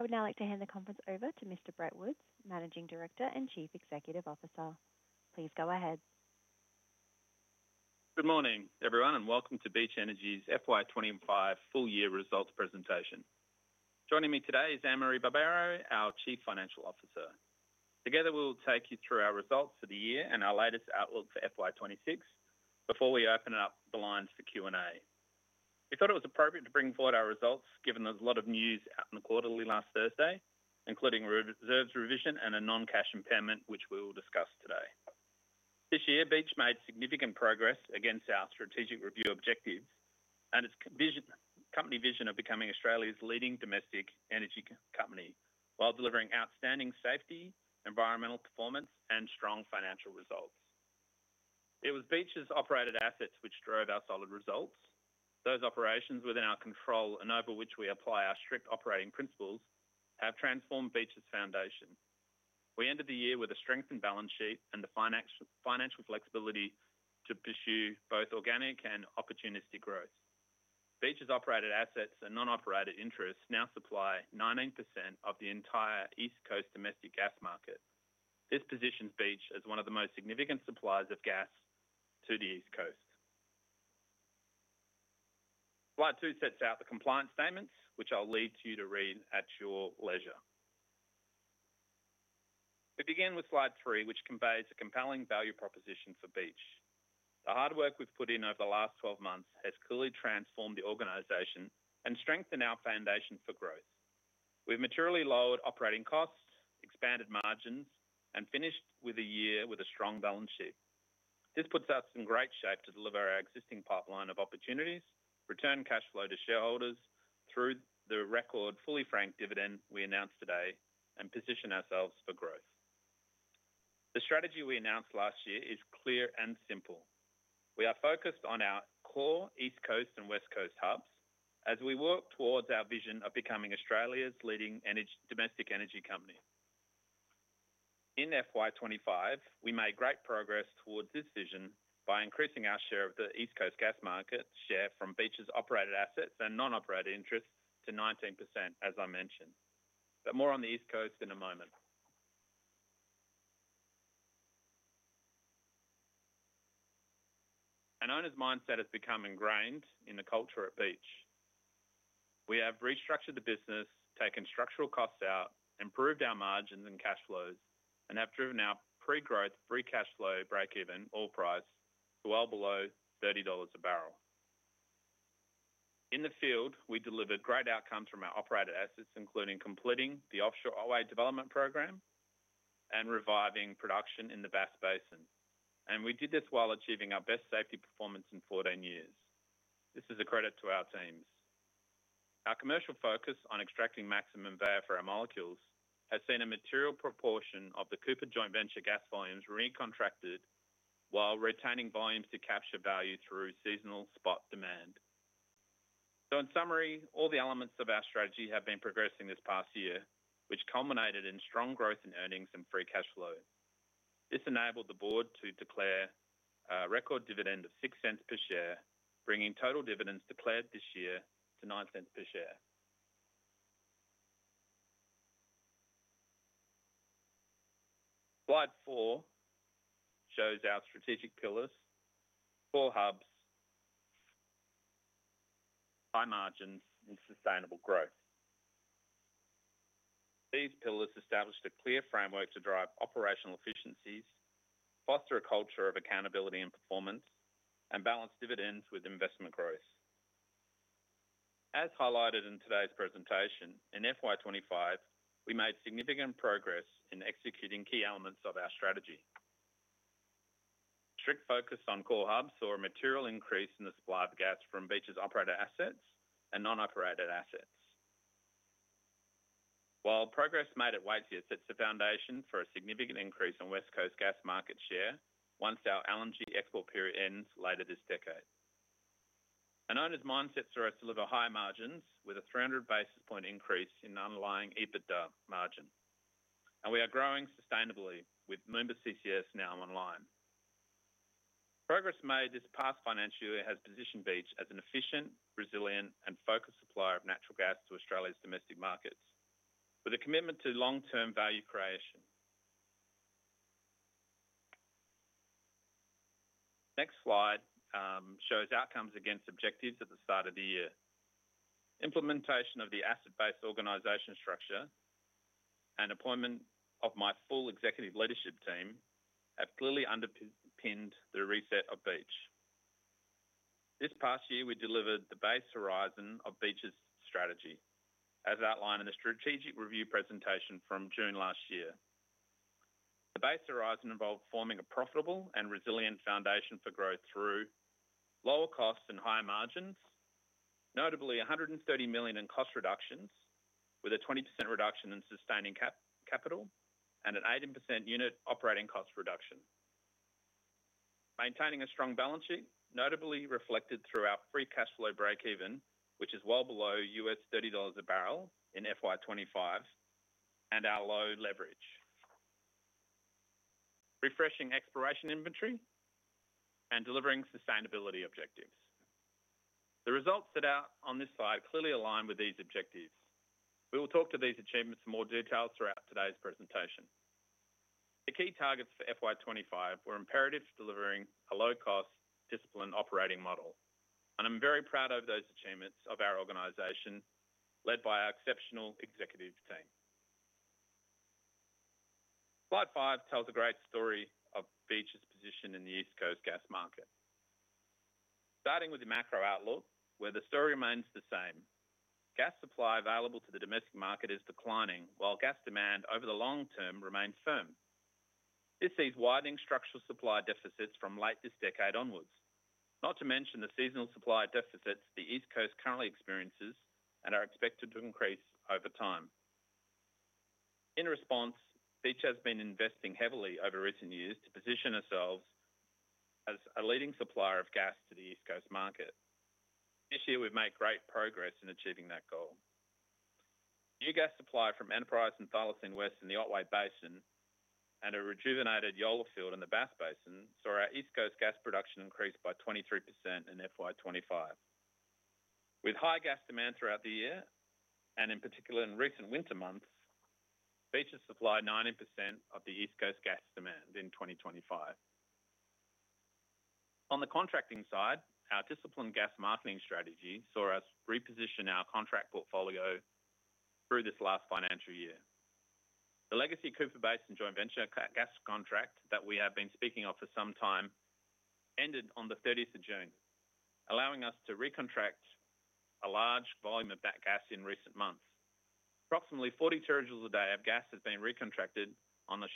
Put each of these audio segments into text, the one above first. I would now like to hand the conference over to Mr. Brett Woods, Managing Director and Chief Executive Officer. Please go ahead. Good morning everyone and welcome to Beach Energy's FY 2025 Full Year Results Presentation. Joining me today is Anne-Marie Barbaro, our Chief Financial Officer. Together we will take you through our results for the year and our latest outlook for FY 2026. Before we open up the lines for Q&A, we thought it was appropriate to bring forward our results given there's a lot of news out in the quarterly last Thursday, including reserves revision and a non-cash impairment which we will discuss today. This year, Beach made significant progress against our strategic review objectives and its company vision of becoming Australia's leading domestic energy company. While delivering outstanding safety, environmental performance and strong financial results, it was Beach's operated assets which drove our solid results. Those operations within our control and over which we apply our strict operating principles have transformed Beach's foundation. We ended the year with a strengthened balance sheet and the financial flexibility to pursue both organic and opportunistic growth. Beach's operated assets and non-operated interests now supply 19% of the entire east coast domestic gas market. This positions Beach as one of the most significant suppliers of gas to the east coast. Slide 2 sets out the compliance statements. Which I'll leave you to read at your leisure. We begin with slide three, which conveys. A compelling value proposition for Beach. The hard work we've put in over. The last 12 months has clearly transformed the organization and strengthened our foundation for growth. We've materially lowered operating costs, expanded margins, and finished the year with a strong balance sheet. This puts us in great shape to deliver our existing pipeline of opportunities, return cash flow to shareholders through the record fully franked dividend we announced today, and position ourselves for growth. The strategy we announced last year is clear and simple. We are focused on our core east coast and west coast hubs as we work towards our vision of becoming Australia's leading domestic energy company. In FY 2025, we made great progress towards this decision by increasing our share of the east coast gas market share from Beach's operated assets and non-operated interest to 19% as I mentioned, but more on the east coast in a moment. An owner's mindset has become ingrained in the culture at Beach. We have restructured the business, taken structural costs out, improved our margins and cash flows, and have driven our pre-growth free cash flow break-even oil price well below $30 a barrel. In the field, we delivered great outcomes from our operated assets including completing the offshore Otway Basin development program and reviving production in the Bass Basin, and we did this while achieving our best safety performance in 14 years. This is a credit to our teams. Our commercial focus on extracting maximum value for our molecules has seen a material proportion of the Cooper Joint Venture gas volumes re-contracted while retaining volumes to capture value through seasonal spot demand. In summary, all the elements of our strategy have been progressing this past year, which culminated in strong growth in earnings and free cash flow. This enabled the Board to declare a record dividend of $0.06 per share, bringing total dividends declared this year to $0.09 per share. Slide 4 shows our strategic pillars: four hubs, high margins, and sustainable growth. These pillars established a clear framework to drive operational efficiencies, foster a culture of accountability and performance, and balance dividends with investment growth. As highlighted in today's presentation, in FY 2025 we made significant progress in executing key elements of our strategy. TRIC focused on core hubs saw a material increase in the supply of gas from Beach's operated assets and non-operated assets, while progress made at Waitsia sets the foundation for a significant increase in west coast gas market share once our LNG export period ends later this decade. An owner's mindset saw us deliver high margins with a 300 basis point increase in underlying EBITDA margin, and we are growing sustainably with Moomba CCS now online. Progress made this past financial year has positioned Beach as an efficient, resilient, and focused supplier of natural gas to Australia's domestic markets with a commitment to long-term value creation. Next slide shows outcomes against objectives. The start of the year. Implementation of the asset based organization structure and appointment of my full Executive Leadership Team have clearly underpinned the reset of Beach. This past year we delivered the base horizon of Beach's strategy as outlined in the Strategic Review presentation from June last year. The base horizon involved forming a profitable and resilient foundation for growth through lower costs and higher margins, notably $130 million in cost reductions with a 20% reduction in sustaining capital and an 18% unit operating cost reduction, maintaining a strong balance sheet notably reflected throughout free cash flow break even which is well below $30 a barrel in FY 2025 and our low leverage, refreshing exploration, inventory and delivering sustainability objectives. The results that are on this slide clearly align with these objectives. We will talk to these achievements. More detail throughout today's presentation. The key targets for FY 2025 were imperatives delivering a low cost disciplined operating model and I'm very proud of those achievements of our organization led by our exceptional executive team. Slide 5 tells a great story of Beach's position in the east coast gas market, starting with the macro outlook where the story remains the same. Gas supply available to the domestic market is declining while gas demand over the long term remains firm. This sees widening structural supply deficits from late this decade onwards, not to mention the seasonal supply deficits the east coast currently experiences and are expected to increase over time. In response, Beach has been investing heavily over recent years to position ourselves as a leading supplier of gas to the east coast market. This year we've made great progress in achieving that goal. New gas supply from Enterprise and Thylacine West in the Otway Basin and a rejuvenated Yolla field in the Bass Basin saw our east coast gas production increase by 23% in FY25. With high gas demand throughout the year and in particular in recent winter months, Beach supplied 90% of the east coast gas demand in 2025. On the contracting side, our disciplined gas marketing strategy saw us reposition our contract portfolio through this last financial year. The legacy Cooper Basin Joint Venture gas. Contract that we have been speaking of. For some time ended on the 30th of June allowing us to recontract a large volume of that gas. In recent months, approximately 42 a day of gas has been re-contracted on a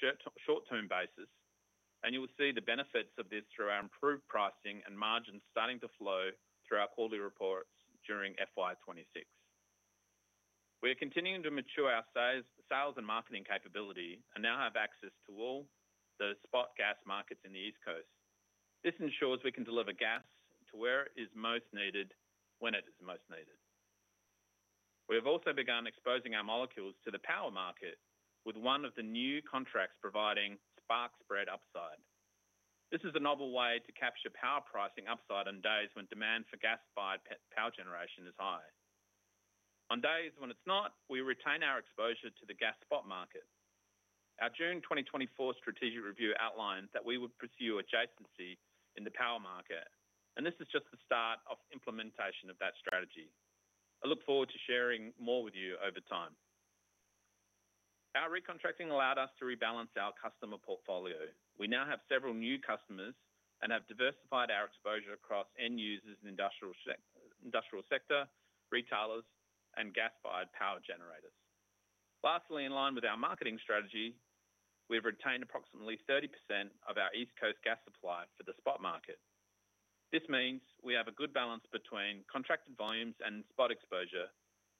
short-term basis, and you will see the benefits of this through our improved pricing and margins starting to flow through our quarterly reports during FY 2026. We are continuing to mature our sales and marketing capability and now have access to all the spot gas markets in the East Coast. This ensures we can deliver gas to where it is most needed when it is most needed. We have also begun exposing our molecules to the power market, with one of the new contracts providing spark spread upside. This is a novel way to capture power pricing upside on days when demand for gas-fired power generation is high. On days when it's not, we retain our exposure to the gas spot market. Our June 2024 strategic review outlined that we would pursue adjacency in the power market, and this is just the start of implementation of that strategy. I look forward to sharing more with you over time. Our re-contracting allowed us to rebalance our customer portfolio. We now have several new customers and have diversified our exposure across end users in industrial sector retailers and gas-fired power generators. Lastly, in line with our marketing strategy, we have retained approximately 30% of our East Coast gas supply for the spot market. This means we have a good balance between contracted volumes and spot exposure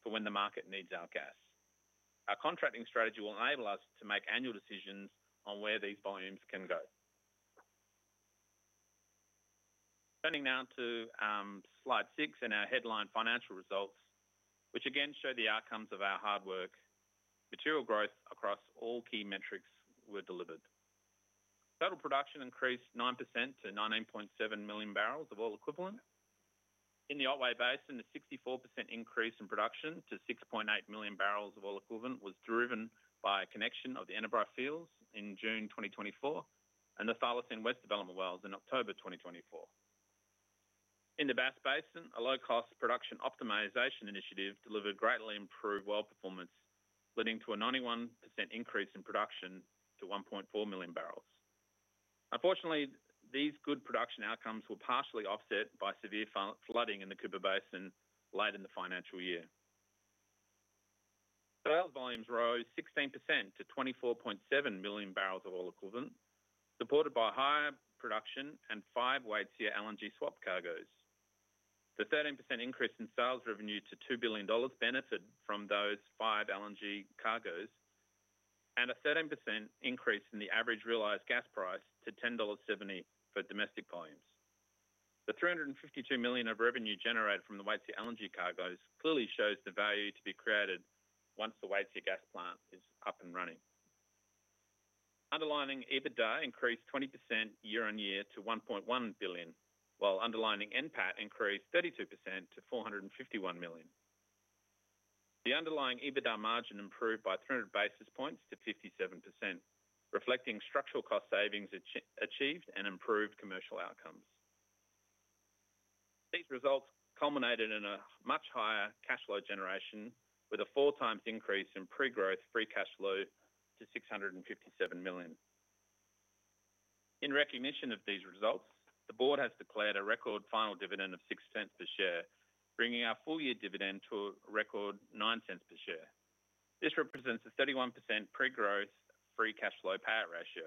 for when the market needs our gas. Our contracting strategy will enable us to make annual decisions on where these volumes can go. Turning now to slide six and our. Headline financial results which again show the outcomes of our hard work. Material growth across all key metrics. We delivered total production increased 9% to 19.7 million barrels of oil equivalent in the Otway Basin. A 64% increase in production to 6.8 million barrels of oil equivalent was driven by a connection of the Annie Fields in June 2024 and the Thylacine West development wells in October 2024. In the Bass Basin, a low cost production optimization initiative delivered greatly improved well performance, leading to a 91% increase in production to 1.4 million barrels. Unfortunately, these good production outcomes were partially offset by severe flooding in the Cooper Basin late in the financial year. Sales volumes rose 16% to 24.7 million barrels of oil equivalent, supported by higher production and five Waitsia LNG swap cargoes. The 13% increase in sales revenue to $2 billion benefited from those five LNG cargoes and a 13% increase in the average realized gas price to $10.7 for domestic volumes. The $352 million of revenue generated from the Waitsia LNG cargoes clearly shows the value to be created once the Waitsia gas plant is up and running. Underlying EBITDA increased 20% year on year. To $1.1 billion while underlying NPAT increased 32% to $451 million. The underlying EBITDA margin improved by 300 basis points to 57%, reflecting structural cost savings achieved and improved commercial outcomes. These results culminated in a much higher cash flow generation with a four times increase in pre-growth free cash flow to $657 million. In recognition of these results, the Board has declared a record final dividend of $0.06 per share, bringing our full year dividend to a record $0.09 per share. This represents a 31% pre-growth free cash flow payout ratio.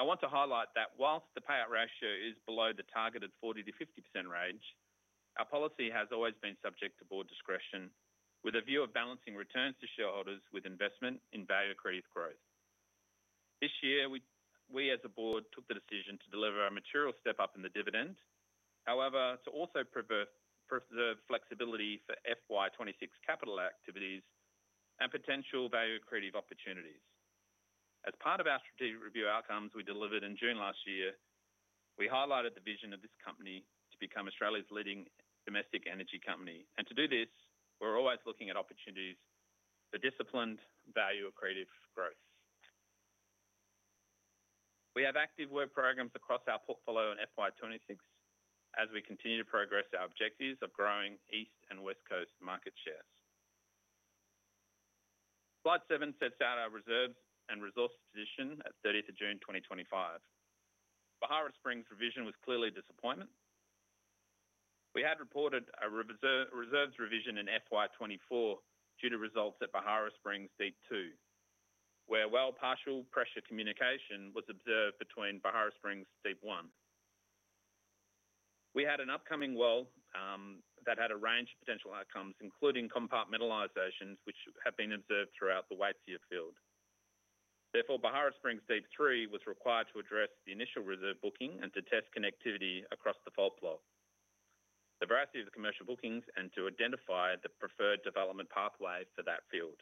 I want to highlight that whilst the payout ratio is below the targeted 40%-50% range, our policy has always been subject to Board discretion with a view of balancing returns to shareholders with investment in value accretive growth. This year we as a Board took the decision to deliver a material step up in the dividend, however, to also preserve flexibility for FY 2026 capital activities and potential value accretive opportunities. As part of our strategic review outcomes we delivered in June last year, we highlighted the vision of this company to become Australia's leading domestic energy company and to do this we're always looking at opportunities for disciplined value accretive growth. We have active work programs across our portfolio on FY 2026 as we continue to progress our objectives of growing east and west coast market shares. Slide 7 sets out our reserves and resource position at 30 June 2025. Beharra Springs revision was clearly a disappointment. We had reported a reserves revision in FY 2024 due to results at Beharra Springs Deep 2 where well partial pressure communication was observed between Beharra Springs Deep 1. We had an upcoming well that had a range of potential outcomes including compartmentalizations which have been observed throughout the Waitsia Field. Therefore, Beharra Springs Deep 3 was required to address the initial reserve booking and to test connectivity across the fault flow, the veracity of the commercial bookings, and to identify the preferred development pathway for that field.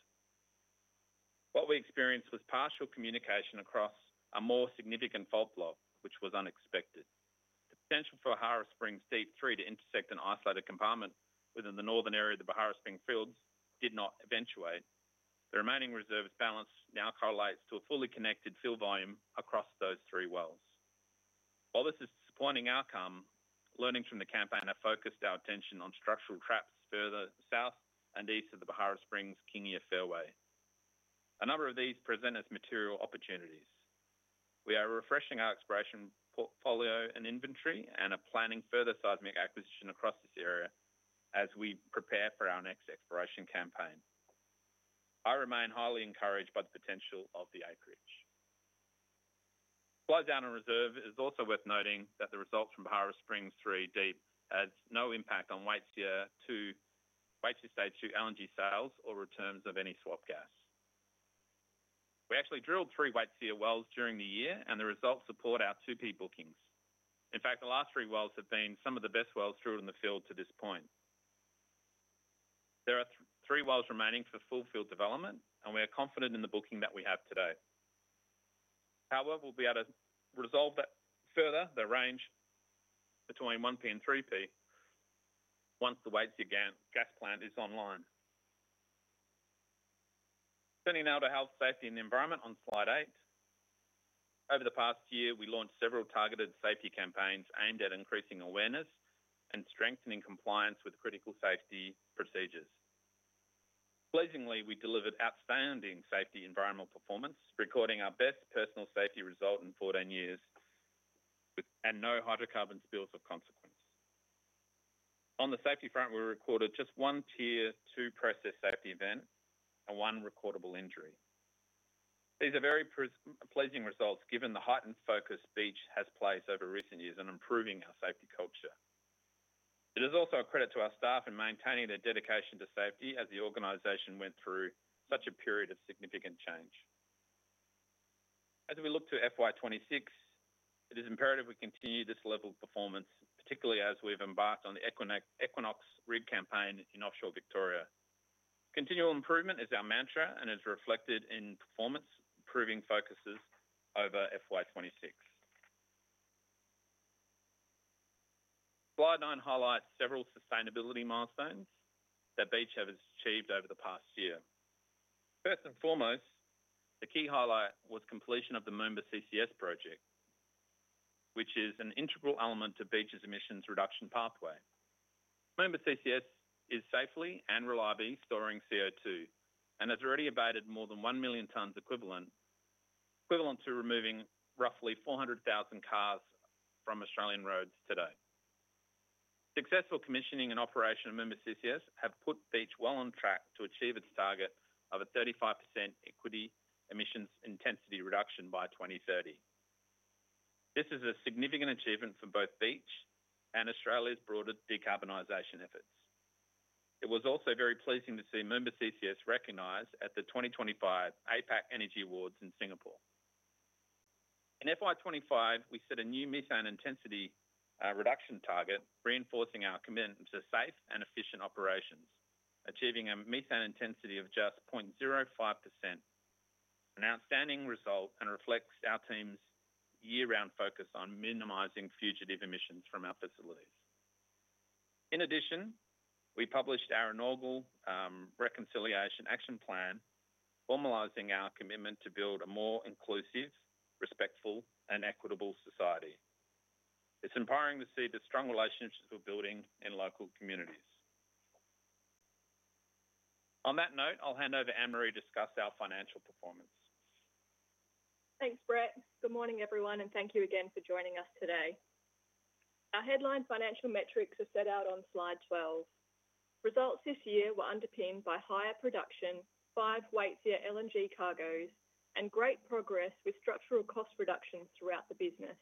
What we experienced was partial communication across a more significant fault block which was unexpected. The potential for Beharra Springs Deep 3 to intersect an isolated compartment within the northern area of the Beharra Springs fields did not eventuate. The remaining reserve balance now correlates to a fully connected field volume across those three wells. While this is a disappointing outcome, learning. From the campaign, we have focused our attention on structural traps further south and east of the Beharra Springs Kingia Fairway. A number of these present us material opportunities. We are refreshing our exploration portfolio and inventory and are planning further seismic acquisition across this area as we prepare for our next exploration campaign. I remain highly encouraged by the potential of the acreage close down on reserve. It is also worth noting that the results from Beharra Springs Deep 3 had no impact on Waitsia, Stage 2 LNG sales, or returns of any swap gas. We actually drilled three Waitsia wells during the year and the results support our 2P bookings. In fact, the last three wells have been some of the best wells drilled in the field to this point. There are three wells remaining for full field development and we are confident in. The booking that we have today. However, we'll be able to resolve further the range between 1P and 3P once. The Waitsia gas plant is online. Turning now to health, safety and the environment on slide 8. Over the past year we launched several targeted safety campaigns aimed at increasing awareness and strengthening compliance with critical safety procedures. Pleasingly, we delivered outstanding safety and environmental performance, recording our best personal safety result in 14 years and no hydrocarbon spills of consequence. On the safety front, we recorded just one Tier two process safety event and one recordable injury. These are very pleasing results given the heightened focus Beach has placed over recent years on improving our safety culture. It is also a credit to our staff in maintaining their dedication to safety as the organization went through such a period of significant change. As we look to FY 2026, it is imperative we continue this level of performance, particularly as we've embarked on the Equinox rig campaign in offshore Victoria. Continual improvement is our mantra and is reflected in performance improving focuses over FY 2026. Slide 9 highlights several sustainability milestones that Beach has achieved over the past year. First and foremost, the key highlight was completion of the Moomba CCS project, which is an integral element to Beach's emissions reduction pathway. Moomba CCS is safely and reliably storing CO2 and has already abated more than 1 million tons equivalent, equivalent to removing roughly 400,000 cars from Australian roads today. Successful commissioning and operation of Moomba CCS have put Beach well on track to achieve its target of a 35% equity emissions intensity reduction by 2030. This is a significant achievement for both Beach and Australia's broader decarbonization efforts. It was also very pleasing to see Moomba CCS recognized at the 2025 APAC Energy Awards in Singapore. In FY 2025 we set a new methane intensity reduction target, reinforcing our commitment to safe and efficient operations, achieving a methane intensity of just 0.05%. An outstanding result and reflects our team's year-round focus on minimizing fugitive emissions from our facilities. In addition, we published our inaugural Reconciliation Action Plan, formalizing our commitment to build a more inclusive, respectful and equitable society. It's empowering to see the strong relationships we're building in local communities. On that note, I'll hand over Anne-Marie. To discuss our financial performance. Thanks, Brett. Good morning everyone and thank you again for joining us today. Our headline financial metrics are set out on slide 12. Results this year were underpinned by higher production, five Waitsia LNG cargoes and great progress with structural cost reductions throughout the business.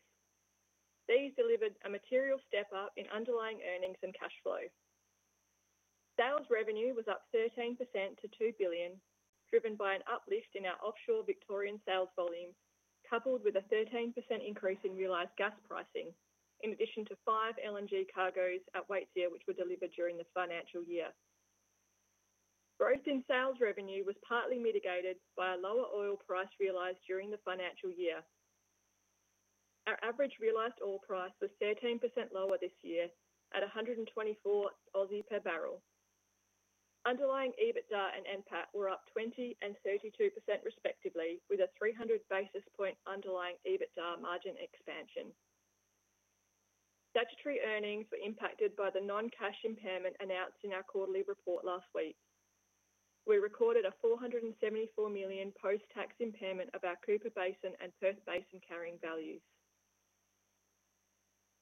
These delivered a material step up in underlying earnings and cash flow. Sales revenue was up 13% to $2 billion, driven by an uplift in our offshore Victorian sales volume coupled with a 13% increase in realized gas pricing. In addition to five LNG cargoes at Waitsia which were delivered during this financial year, growth in sales revenue was partly mitigated by a lower oil price realized during the financial year. Our average realized oil price was 13% lower this year at 124 per barrel. Underlying EBITDA and NPAT were up 20% and 32% respectively with a 300 basis point underlying EBITDA margin expansion. Statutory earnings were impacted by the non-cash impairment announced in our quarterly report last week. We recorded a $474 million post-tax impairment of our Cooper Basin and Perth Basin carrying values.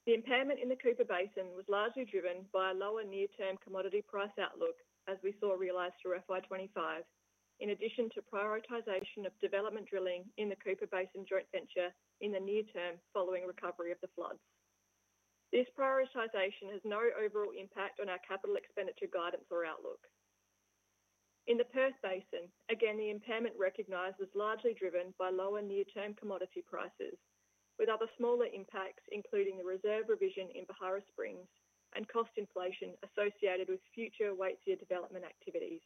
The impairment in the Cooper Basin was largely driven by a lower near-term commodity price outlook as we saw realized through FY 2025 in addition to prioritization of development drilling in the Cooper Basin joint venture in the near term following recovery of the floods. This prioritization has no overall impact on our capital expenditure guidance or outlook in the Perth Basin. Again the impairment recognized was largely driven by lower near-term commodity prices with other smaller impacts including the reserve revision in Beharra Springs Deep and cost inflation associated with future Waitsia development activities.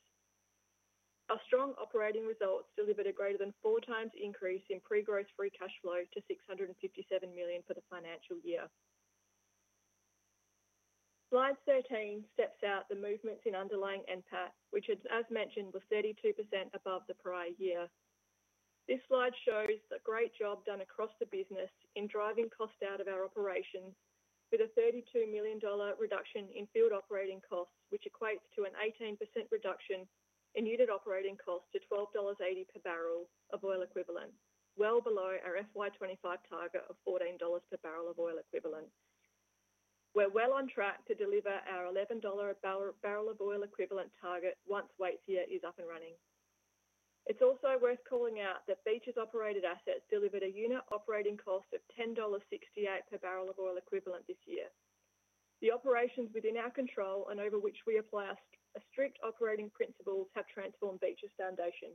Our strong operating results delivered a greater than four times increase in pre-gross free cash flow to $657 million for the year. Slide 13 steps out the movements in underlying NPAT which as mentioned was 32% above the prior year. This slide shows the great job done across the business in driving cost out of our operations with a $32 million reduction in field operating costs which equates to an 18% reduction in unit operating cost to $12.80 per barrel of oil equivalent, well below our FY 2025 target of $14 per barrel of oil equivalent. We're well on track to deliver our $11 per barrel of oil equivalent target once Waitsia is up and running. It's also worth calling out that Beach's operated assets delivered a unit operating cost of $10.68 per barrel of oil equivalent this year. The operations within our control and over which we apply our strict operating principles have transformed Beach's foundation.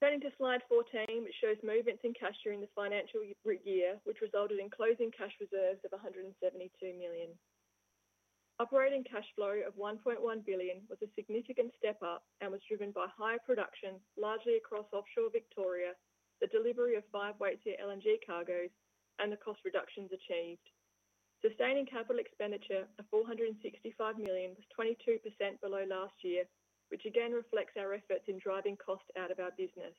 Turning to slide 14, which shows movements in cash during the financial year, which resulted in closing cash reserves of $172 million. Operating cash flow of $1.1 billion was a significant step up and was driven by higher production largely across offshore Victoria, the delivery of five Waitsia LNG cargoes, and the cost reductions achieved. Sustaining capital expenditure of $465 million was 22% below last year, which again reflects our efforts in driving cost out of our business.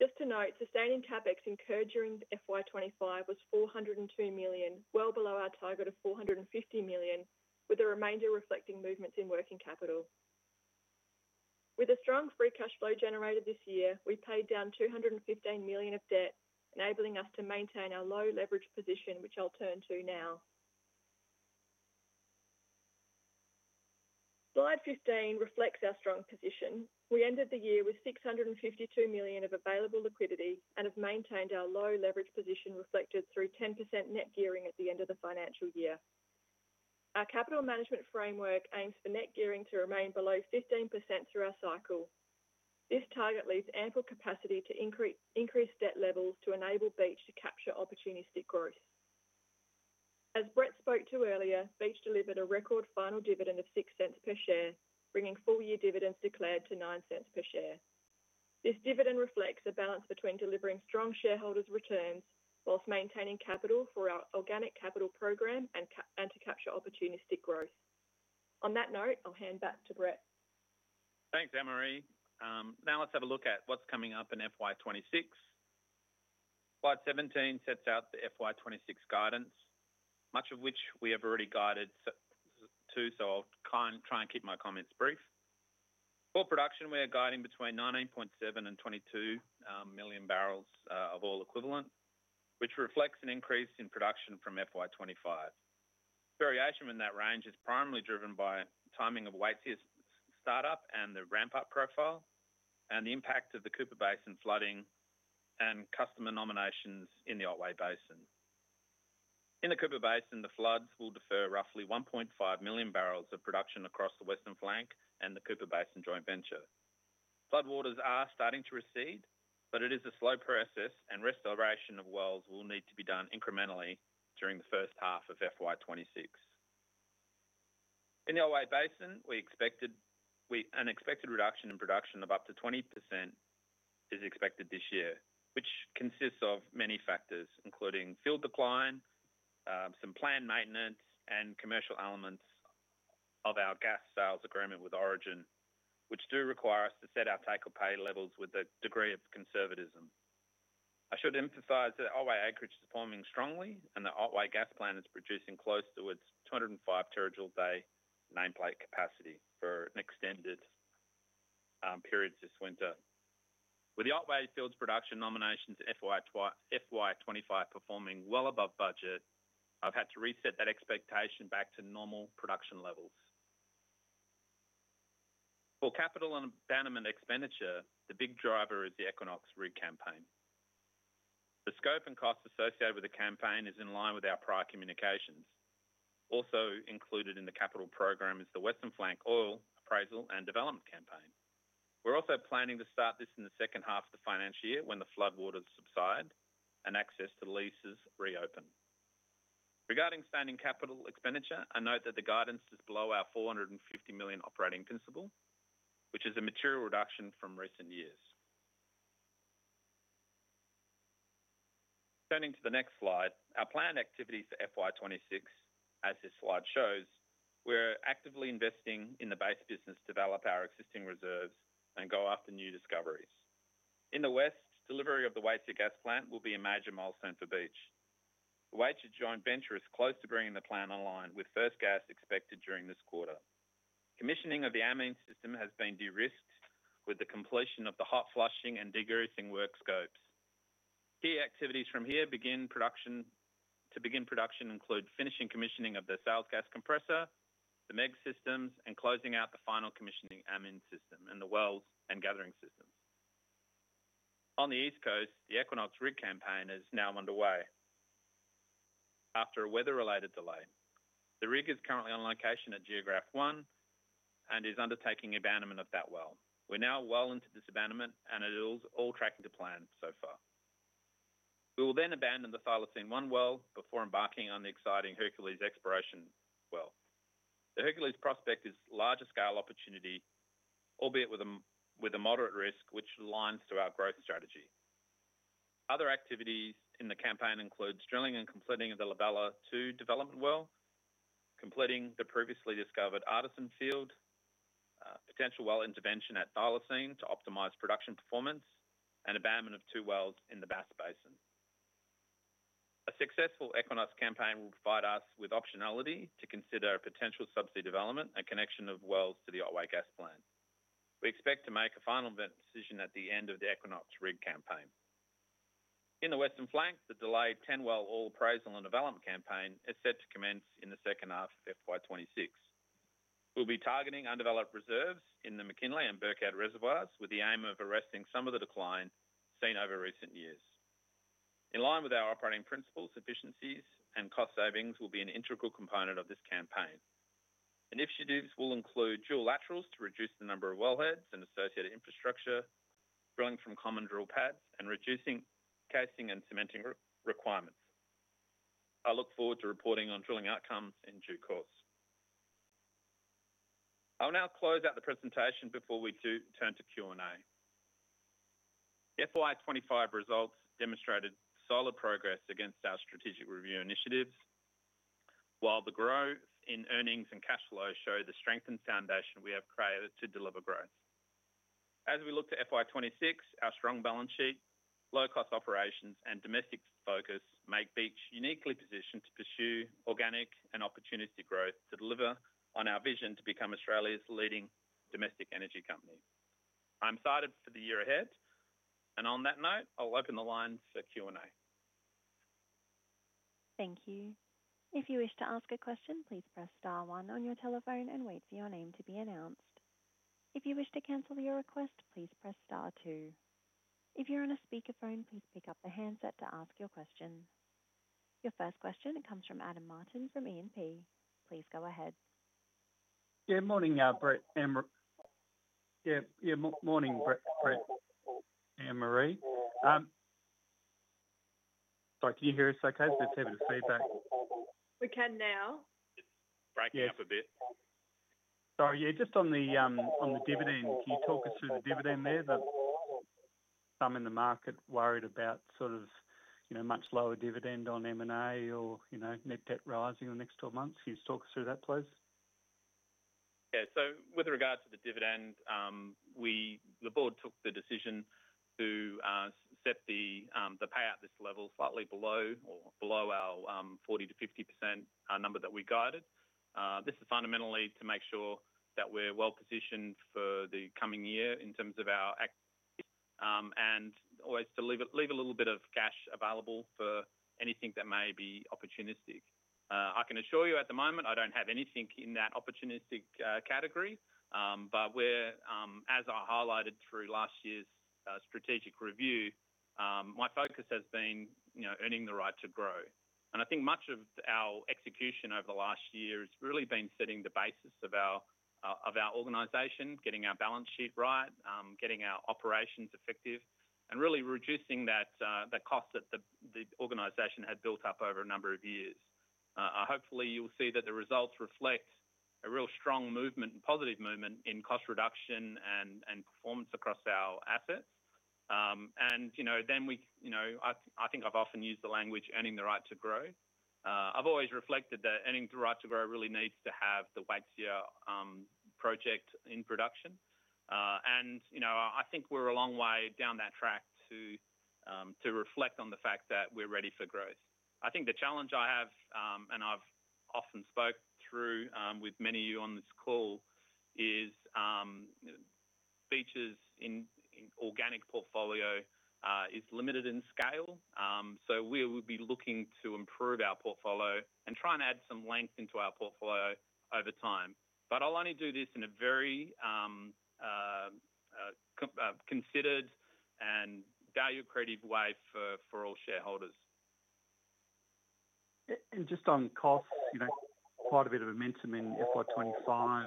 Just to note, sustaining CapEx incurred during FY 2025 was $402 million, well below our target of $450 million, with the remainder reflecting movements in working capital with a strong free cash flow generated. This year we paid down $215 million of debt, enabling us to maintain our low leverage position, which I'll turn to now. Slide 15 reflects our strong position. We ended the year with $652 million of available liquidity and have maintained our low leverage position reflected through 10% net gearing at the end of the financial year. Our capital management framework aims for net gearing to remain below 15% through our cycle. This target leaves ample capacity to increase debt levels to enable Beach to capture opportunistic growth. As Brett spoke to earlier, Beach delivered a record final dividend of $0.06 per share, bringing full year dividends declared to $0.09 per share. This dividend reflects a balance between delivering strong shareholder returns whilst maintaining capital for our organic capital program and to capture opportunistic growth. On that note, I'll hand back to Brett. Thanks Anne-Marie. Now let's have a look at what's coming up in FY 2026. Slide 17 sets out the FY 2026 guidance. Much of which we have already guided. I'll try and keep my comments brief. For production, we are guiding between 19.7 million and 22 million barrels of oil equivalent, which reflects an increase in production from FY 2025. Variation in that range is primarily driven by timing of Waitsia startup and the ramp-up profile, and the impact of the Cooper Basin flooding and customer nominations in the Otway Basin. In the Cooper Basin, the floods will defer roughly 1.5 million barrels of production across the Western Flank and the Cooper Basin Joint Venture. Floodwaters are starting to recede, but it is a slow process, and restoration of wells will need to be done incrementally during the first half of FY 2026. In the Otway Basin, an expected reduction in production of up to 20% is expected this year, which consists of many factors including field decline, some planned maintenance, and commercial elements of our gas sales agreement with Origin, which do require us to set our take-or-pay levels with a degree of conservatism. I should emphasize that Otway acreage is performing strongly, and the Otway gas plant is producing close to its 205 terajoule per day nameplate capacity for an extended period this winter. With the Otway fields production nominations in FY 2025 performing well above budget, I've had to reset that expectation back to normal production levels. For capital abandonment expenditure, the big driver is the Equinox rig campaign. The scope and costs associated with the campaign are in line with our prior communications. Also included in the capital program is the Western Flank oil appraisal and development campaign. We're also planning to start this in the second half of the financial year when the floodwaters subside and access to leases is reopened. Regarding sustaining capital expenditure, I note that the guidance is below our $450 million operating principal, which is a material reduction from recent years. Turning to the next slide, our planned activity for FY 2026, as this slide shows, we're actively investing in the base business to develop our existing reserves and go after new discoveries in the west. Delivery of the Waitsia gas plant will be a major milestone for Beach. The Waitsia Joint Venture is close to bringing the plant online, with first gas expected during this quarter. Commissioning of the amine system has been de-risked with the completion of the hot flushing and degreasing work scopes. Key activities from here to begin production include finishing commissioning of the sales gas compressor, the MEG systems, and closing out the final commissioning Amine system and the wells and gathering systems on the east coast. The Equinox rig campaign is now underway after a weather-related delay. The rig is currently on location at Geograph 1 and is undertaking abandonment of that well. We're now well into disabandonment, and it is all tracking to plan so far. We will then abandon the Thylacine 1 well before embarking on the exciting Hercules exploration well. The Hercules prospect is a larger scale opportunity, albeit with a moderate risk, which aligns to our growth strategy. Other activities in the campaign include drilling and completing of the Labella 2 development well, completing the previously discovered Artisan field, potential well intervention at Thylacine to optimize production performance, and abandonment of two wells in the Bass Basin. A successful Equinox campaign will provide us with optionality to consider a potential subsidy, development, and connection of wells to the Otway gas plant. We expect to make a final decision at the end of the Equinox rig campaign in the Western Flank. The delayed ten-well oil appraisal and development campaign is set to commence in the second half of FY 2026. We will be targeting undeveloped reserves in the McKinley and Burkhead reservoirs with the aim of arresting some of the decline seen over recent years in line with our operating principles. Efficiencies and cost savings will be an integral component of this campaign. Initiatives will include dual laterals to reduce the number of wellheads and associated infrastructure, drilling from common drill pads, and reducing casing and cementing requirements. I look forward to reporting on drilling outcomes in due course. I'll now close out the presentation before we turn to Q&A. FY 2025 results demonstrated solid progress against our strategic review initiatives, while the growth in earnings and cash flow show the strength and foundation we have created to deliver growth as we look to FY 2026. Our strong balance sheet, low-cost operations, and domestic focus make Beach Energy Limited uniquely positioned to pursue organic and opportunistic growth to deliver on our vision to become Australia's leading domestic energy company. I'm excited for the year ahead. On that note, I'll open the lines for Q&A. Thank you. If you wish to ask a question, please press star one on your telephone and wait for your name to be announced. If you wish to cancel your request, please press star two. If you're on a speakerphone, please pick up the handset to ask your question. Your first question comes from Adam Martin from E&P. Please go ahead. Good morning, Brett. Morning, Brett. Anne-Marie. Sorry, can you hear us? Okay, there's a bit of feedback. We can now. Breaking up a bit. Sorry, yeah, just on the dividend, can you talk us through the. Dividend there that some in the market worried about, you know, much. Lower dividend on M&A or. You know, net debt rising in the next 12 months. Can you talk us through that, please? Yeah. With regards to the dividend, the board took the decision to set the pay at this level, slightly below or below our 40%-50% number that we guided. This is fundamentally to make sure that. We're well positioned for the coming year. In terms of our activity and always to leave a little bit of cash available for anything that may be opportunistic, I can assure you at the moment. I don't have anything in that opportunistic category. As I highlighted through last year's strategic review, my focus has been. Earning the right to grow. I think much of our execution. Over the last year has really been. Setting the basis of our organization, getting our balance sheet right, getting our operations effective, and really reducing the cost. The organization had built up over a number of years. Hopefully you'll see that the results reflect. A real strong and positive movement. In cost reduction and performance across our asset, you know, I think I've often used the language. Earning the right to grow. I've always reflected that earning the right. To grow really needs to have the Waitsia project in production. I think we're a long way down that track to reflect. On the fact that we're ready for growth. I think the challenge I have, and I've often spoke through with many of you. You on this call is features in. Organic portfolio is limited in scale, so we will be looking to improve. Our portfolio and try and add some. Length into our portfolio over time. I'll only do this in a very. Considered and value creative way for all shareholders. On costs, you know, quite a bit of momentum in FY 2025,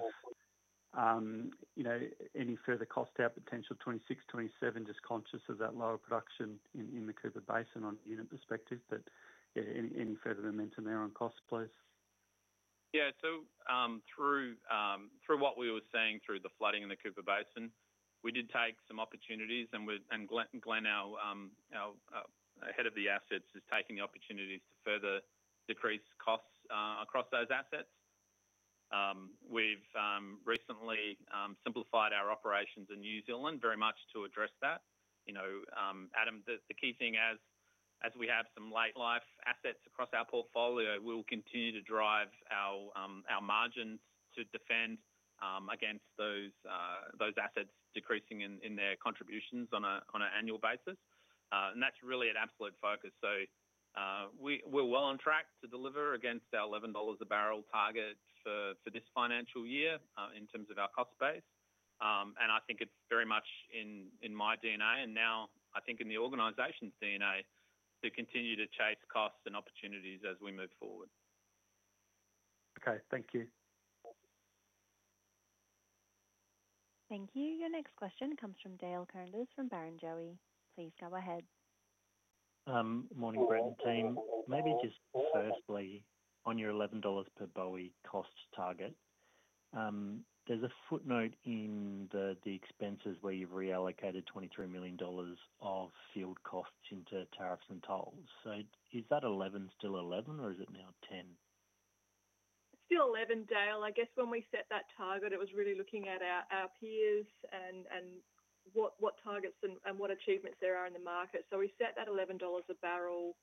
you know, any further cost out potential 2026. 2027, just conscious of that lower production. In the Cooper Basin on a unit perspective, any further momentum there on costs, please? Yeah, through what we were seeing, through. The flooding in the Cooper Basin, we Did take some opportunities. Glenn, our Head of the Assets. Is taking the opportunities to further decrease. Costs across those assets. We've recently simplified our operations in New. Zealand very much to address that. You know, Adam, the key thing, as we have some late life assets across our portfolio, we will continue to drive our margins to defend against those assets. Their contributions are decreasing on an annual basis. That's really an absolute focus. We're well on track to deliver against our $11 a barrel target. This financial year in terms of our cost base. I think it's very much in my DNA and now I think in the organization's DNA to continue to chase. Costs and opportunities as we move forward. Okay, thank you. Thank you. Your next question comes from Dale Koenders from Barrenjoey. Please go ahead. Morning, Brett and team. Maybe just firstly, on your $11 per. Bowie cost target, there's a footnote in. The expenses where you've reallocated $23 million. Of field costs into tariffs and tolls. Is that $11 still $11 or. Is it now $10? Still $11, Dale. I guess when we set that target, it was really looking at our peers and what targets and what achievements there are in the market. We set that $11 a barrel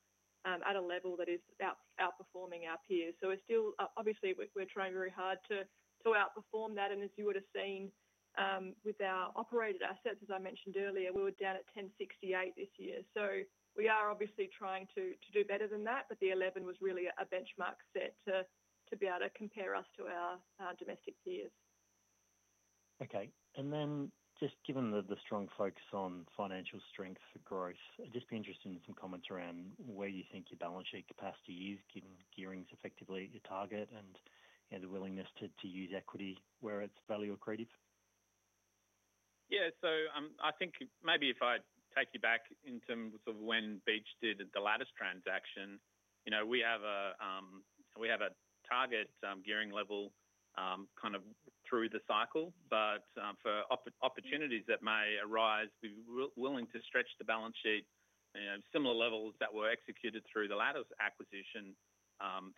at a level that is outperforming our peers. It's still, obviously we're trying very hard to outperform that. As you would have seen with our operated assets, as I mentioned earlier, we were down at $10.68 this year. We are obviously trying to do better than that. The $11 was really a benchmark set to be able to compare us to our domestic peers. Okay. Just given the strong focus on financial strength for growth, I'd be interested in some comments around where you think your balance sheet capacity is given gearing's effectively at your target and the willingness to use equity where it's value accretive. Yeah, I think maybe if I take. You back in terms of when Beach. Did the Lattice transaction. You know, we have a target gearing level kind of through the cycle, but for opportunities that. May arise, be willing to stretch the balance sheet. Similar levels that were executed through the Lattice acquisition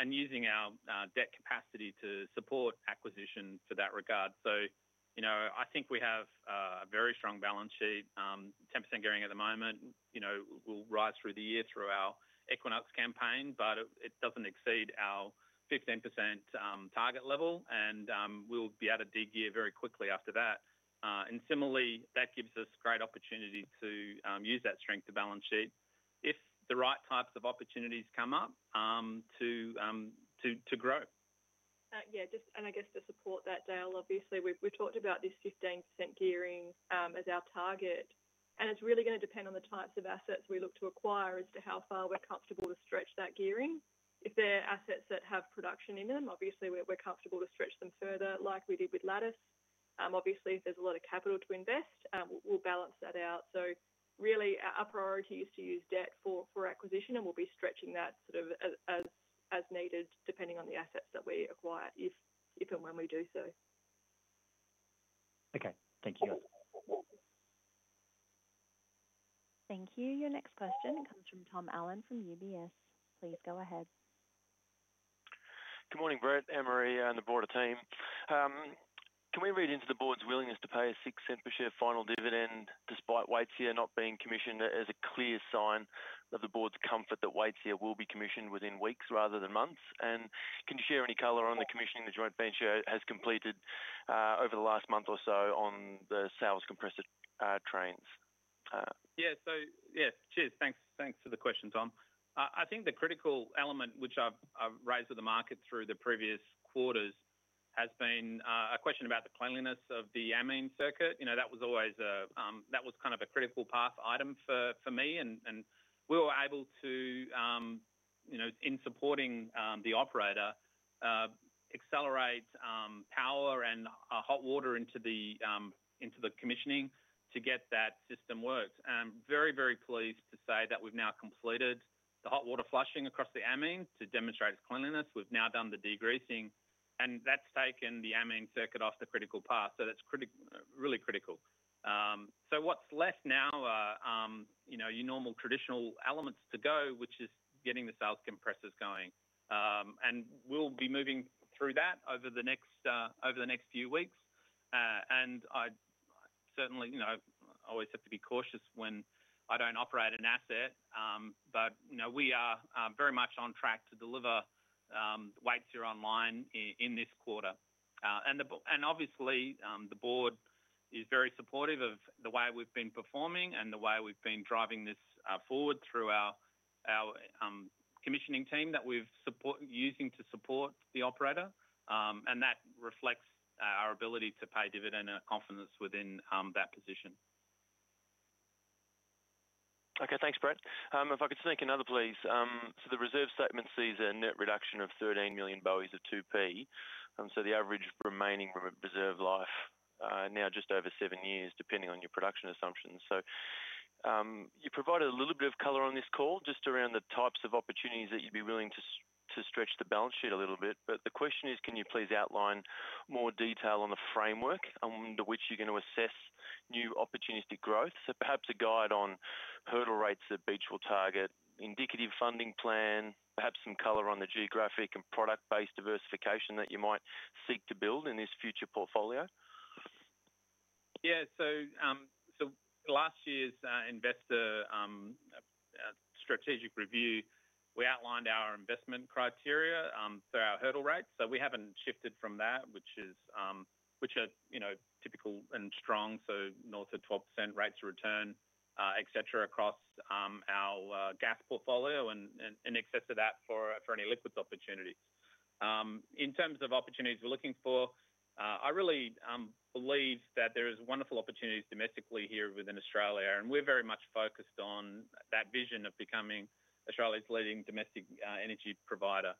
and using our debt capacity. To support acquisition for that regard. I think we have. A very strong balance sheet. 10% going at the moment, you know. Will rise through the year, through our. Equinox campaign, but it doesn't exceed our 15% target level, and we'll be out of digy very quickly after that. Similarly, that gives us great opportunity to use that strength to balance sheet if the right types of opportunities come up to grow. Yeah, just. I guess to support that, Dale, obviously we've talked about this 15% gearing as our target and it's really going to depend on the types of assets we look to acquire as to how far we're comfortable to stretch that gearing. If they're assets that have production in them, obviously we're comfortable to stretch them further like we did with Lattice. If there's a lot of capital to invest, we'll balance that out. Our priority is to use debt for acquisition and we'll be stretching that sort of as needed, depending on the assets that we acquire, if and when we do so. Okay, thank you, guys. Thank you. Your next question comes from Tom Allen from UBS. Please go ahead. Good morning, Brett, Anne-Marie and the board of team. Can we read into the board's willingness. To pay a $0.06 per share. Final dividend despite Waitsia not being commissioned, as a clear sign of the board's comfort that Waitsia will be commissioned within weeks rather than months. Can you share any color on the commissioning? The joint venture has completed over the last month or so the sales compressor trains. Yes, cheers, thanks. Thanks for the question, Tom. I think the critical element which I've raised with the market through the previous quarters has been a question about the cleanliness of the amine circuit. That was always a critical path item for me, and we were able to, in supporting the operator, accelerate power and hot water into the commissioning to get that system worked. Very, very pleased to say that we've now completed the hot water flushing across. The amine to demonstrate its cleanliness. We've now done the degreasing, and that's taken the amine circuit off the critical path. That's really critical. What's left now are your normal traditional elements to go, which is getting the sales compressors going, and we'll be moving through that over the next few weeks. I certainly always have to be cautious when I don't operate an asset, but now we are very much on track to deliver Waitsia online in this quarter. Obviously, the board is very supportive of the way we've been performing and the way we've been driving this forward through our commissioning team that we've used to support the operator, and that reflects our ability to pay. Dividend confidence within that position. Okay, thanks Brett. If I could sneak another please. The reserve statement sees a net reduction of 13 million barrels of oil equivalent of 2P. The average remaining reserve life now is just over seven years depending on your production assumptions. You provided a little bit of color on this call, just around the types of opportunities that you'd be willing. To stretch the balance sheet a little bit. The question is, can you please outline more detail on the framework under which you're going to assess new opportunistic growth? Perhaps a guide on hurdle rates that Beach will target, indicative funding plan, perhaps some color on the geographic and product based diversification that you might seek to build in this future portfolio. Yeah, so last year's investor strategic review we outlined our investment criteria for our hurdle rate. We haven't shifted from that. Which are, you know, typical and strong. North of 12% rates of return, et cetera, across our gas portfolio. In excess of that for any liquids opportunities. In terms of opportunities we're looking for, I really believe that there is wonderful opportunities domestically here within Australia. Very much focused on that vision of becoming Australia's leading domestic energy provider.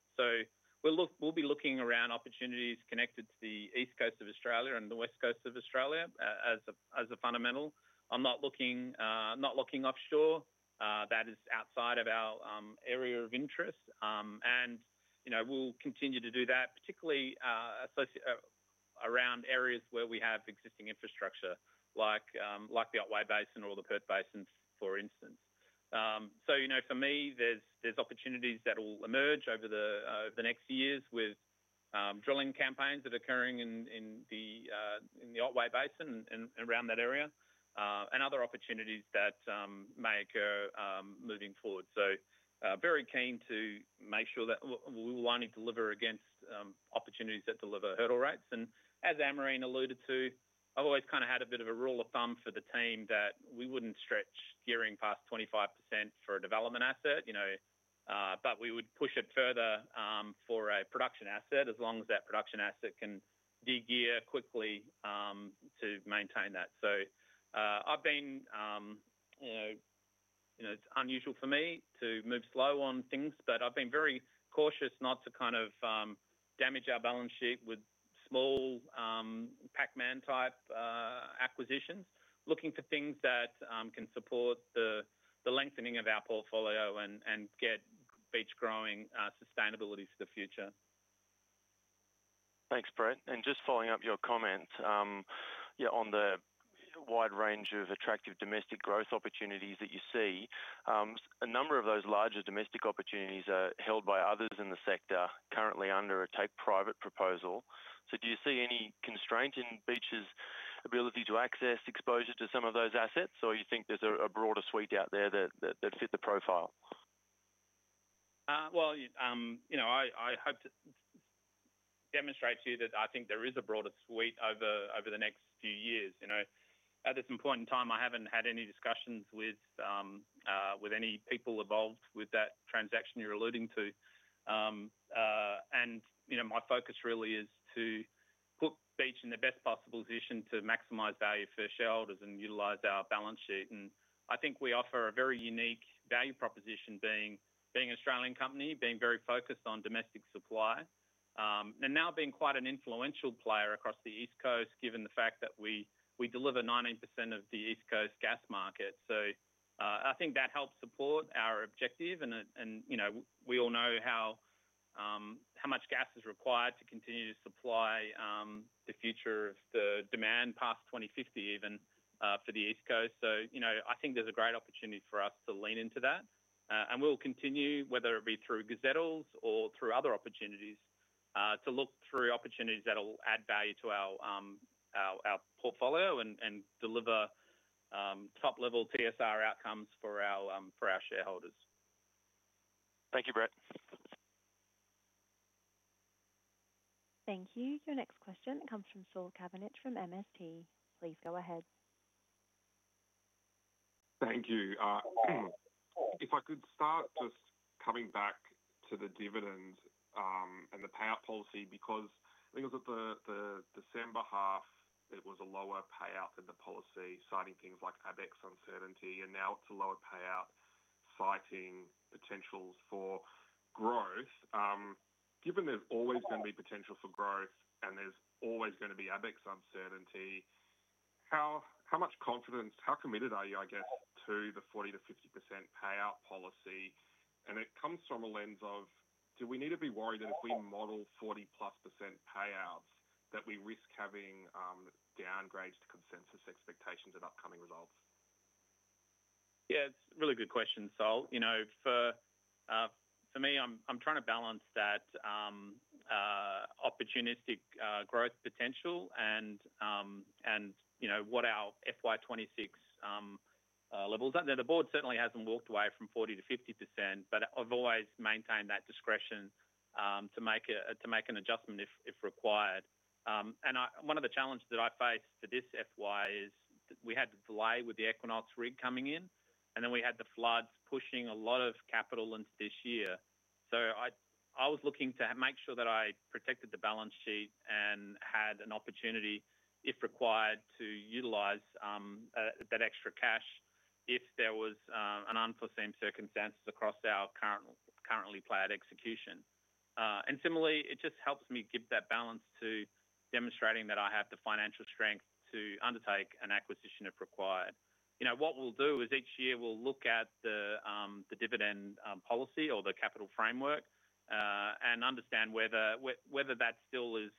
We will be looking around opportunities connected. To the east coast of Australia. The west coast of Australia as a fundamental. I'm not looking, not looking offshore, that is outside of our area of interest, and you know, we'll continue to do that, particularly around areas where we have existing infrastructure like the Otway Basin. The Perth Basin, for instance. For me, there's opportunities that will emerge over the next years with drilling campaigns that are occurring in the Otway Basin and around that area and other opportunities that may occur moving forward. Very keen to make sure that. We will only deliver against opportunities that deliver hurdle rates. As Anne-Marie alluded to, I've always kind of had a bit of a rule of thumb for the team that we wouldn't stretch gearing past 25% for a development asset, you know, but we would push it further for a production. Asset as long as that production asset. Can de-gear quickly to maintain that. I've been, you know, it's unusual for me to move slow on things. I have been very cautious not to. Kind of damage our balance sheet with small Pac-Man type acquisitions, looking for things that can support the lengthening of our portfolio and get Beach growing sustainability for the future. Thanks Brett. Following up your comment on the wide range of attractive domestic growth opportunities that you see, a number of those larger domestic opportunities are held by others in the sector currently under a take private proposal. Do you see any constraint in Beach's ability to access exposure to some? Of those assets, or you think there's. A broader suite out there that fit the profile? I hope to demonstrate to you that I think there is. A broader suite over the next few years. You know, at this point in time. I haven't had any discussions with any people involved with that transaction you're alluding to. My focus really is to put Beach in the best possible position to maximize value for shareholders and utilize our balance sheet. I think we offer a very unique value proposition being an Australian company, being very focused on domestic supply and now being quite an influential player across the east coast given the fact that we deliver 19% of the east coast gas market. I think that helps support our objective. We all know how much gas is required to continue to supply the future of the demand past 2050, even for the east coast. I think there's a. Great opportunity for us to lean into. That, and we'll continue whether it be. Through gazettals or through other opportunities, to. Look through opportunities that will add value to our portfolio and deliver top level TSR outcomes for our shareholders. Thank you, Brett. Thank you. Your next question comes from Saul Kavonic from MST. Please go ahead. Thank you. If I could start just coming back to the dividend and the payout policy because for the December half, it was a lower payout than the policy citing things like ABEX uncertainty, and now it's a lower payout citing potentials for growth. Given there's always going to be potential for growth and there's always going to be ABEX uncertainty, how much confidence, how committed are you, I guess, to the 40%-50% payout policy? It comes from a lens of do we need to be worried that if we model 40%+ payouts that we risk having downgrades to consensus expectations at upcoming results? Yeah, it's a really good question, Saul. You know, for me, I'm trying to balance that opportunistic growth potential and what our FY 2026 levels are. The board certainly hasn't walked away from 40%-50%, but I've always maintained that discretion to make an adjustment if required. One of the challenges that I faced for this FY is we had to delay with the Equinox rig coming in, and then we had the floods. Pushing a lot of capital into this year. I was looking to make sure. That I protected the balance sheet. Had an opportunity, if required, to utilize that extra cash if there was an opportunity. Unforeseen circumstances across our currently planned execution. It just helps me give that balance to demonstrating that I have. The financial strength to undertake an acquisition if required. Each year we'll look at the dividend policy or the capital framework and understand whether that still is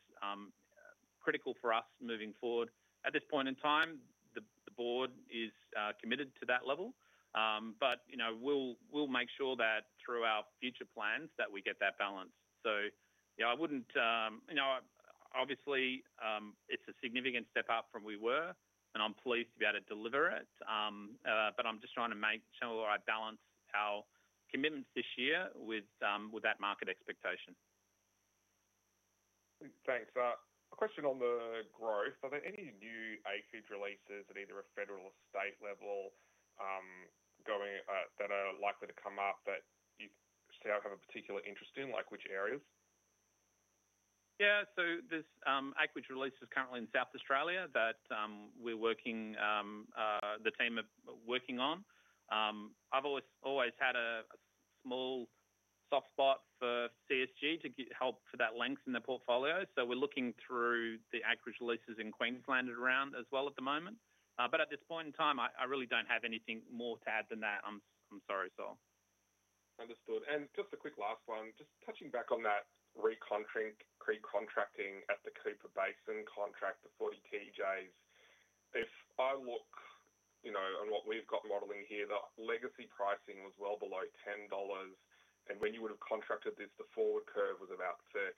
critical for us moving forward at this point in time. The board is committed to that level, but we'll make sure that through our future plans we get that balance. I wouldn't, obviously it's a significant step up from where we were and I'm pleased to be able to deliver it, but I'm just trying to make sure I balance our commitments this year with that market expectation. Thanks. A question on the growth. Are there any new acreage releases at either a federal or state level going that are likely to come up that you say? I have a particular interest in, like which areas. This acreage release is currently in South Australia that we're working, the team are working on. I've always had a small soft spot for CSG to help for that length in the portfolio. We're looking through the acreage leases in Queensland around as well at the moment. At this point in time, I really don't have anything more to add than that. I'm sorry, Saul. Understood. Just a quick last one, touching back on that pre-contracting at the Cooper Basin contract, the 40 TJs. If I look, you know, at what we've got modeling here, the legacy pricing was well below $10, and when you would have contracted this, the forward curve was about $13.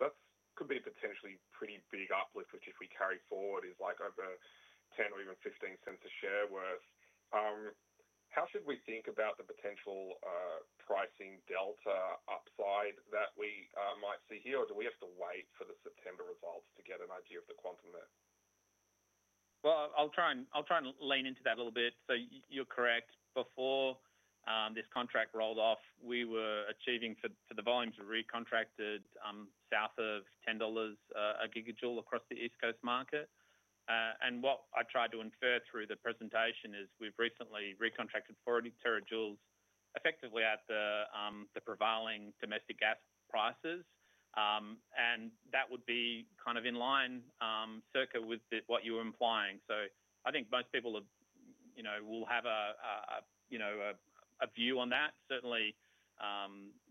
That could be potentially pretty big uplift, which if we carry forward is like over $0.10 or even $0.15 a share worth. How should we think about the potential pricing delta upside that we might see here? Do we have to wait for the September results to get an idea. Of the quantum there? I'll try and I'll try and. Lean into that a little bit. You're correct. Before this contract rolled off, we were achieving for the volumes re-contracted south of $10 a gigajoule across the east coast market. What I tried to infer through the presentation is we've recently re-contracted 40 terajoules effectively at the prevailing domestic gas prices. That would be kind of in line circa with what you were implying. I think most people will have a view on that. Certainly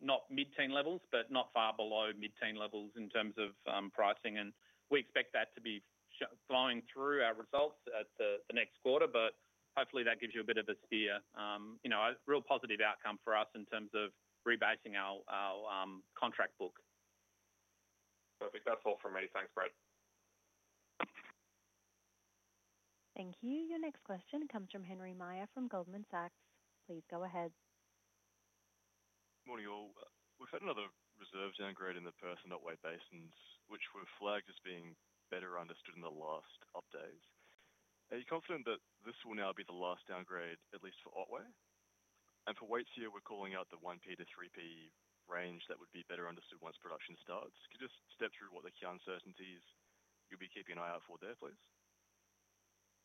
not mid teen levels, but not far below mid teen levels in terms of pricing. We expect that to be flowing through our results at the next quarter. Hopefully that gives you a bit of a steer, you know, a real positive outcome for us in terms of rebasing our contract book. Perfect. That's all from me. Thanks, Brett. Thank you. Your next question comes from Henry Meyer from Goldman Sachs. Please go ahead. Morning all. We've had another reserve downgrade in the Perth and Otway basins, which were flagged as being better understood in the last updates. Are you confident that this will now be the last downgrade, at least for Otway and for Waitsia? We're calling out the 1P to 3P range. That would be better understood once production starts. Could you just step through what the key uncertainties you'll be keeping an eye out for there, please?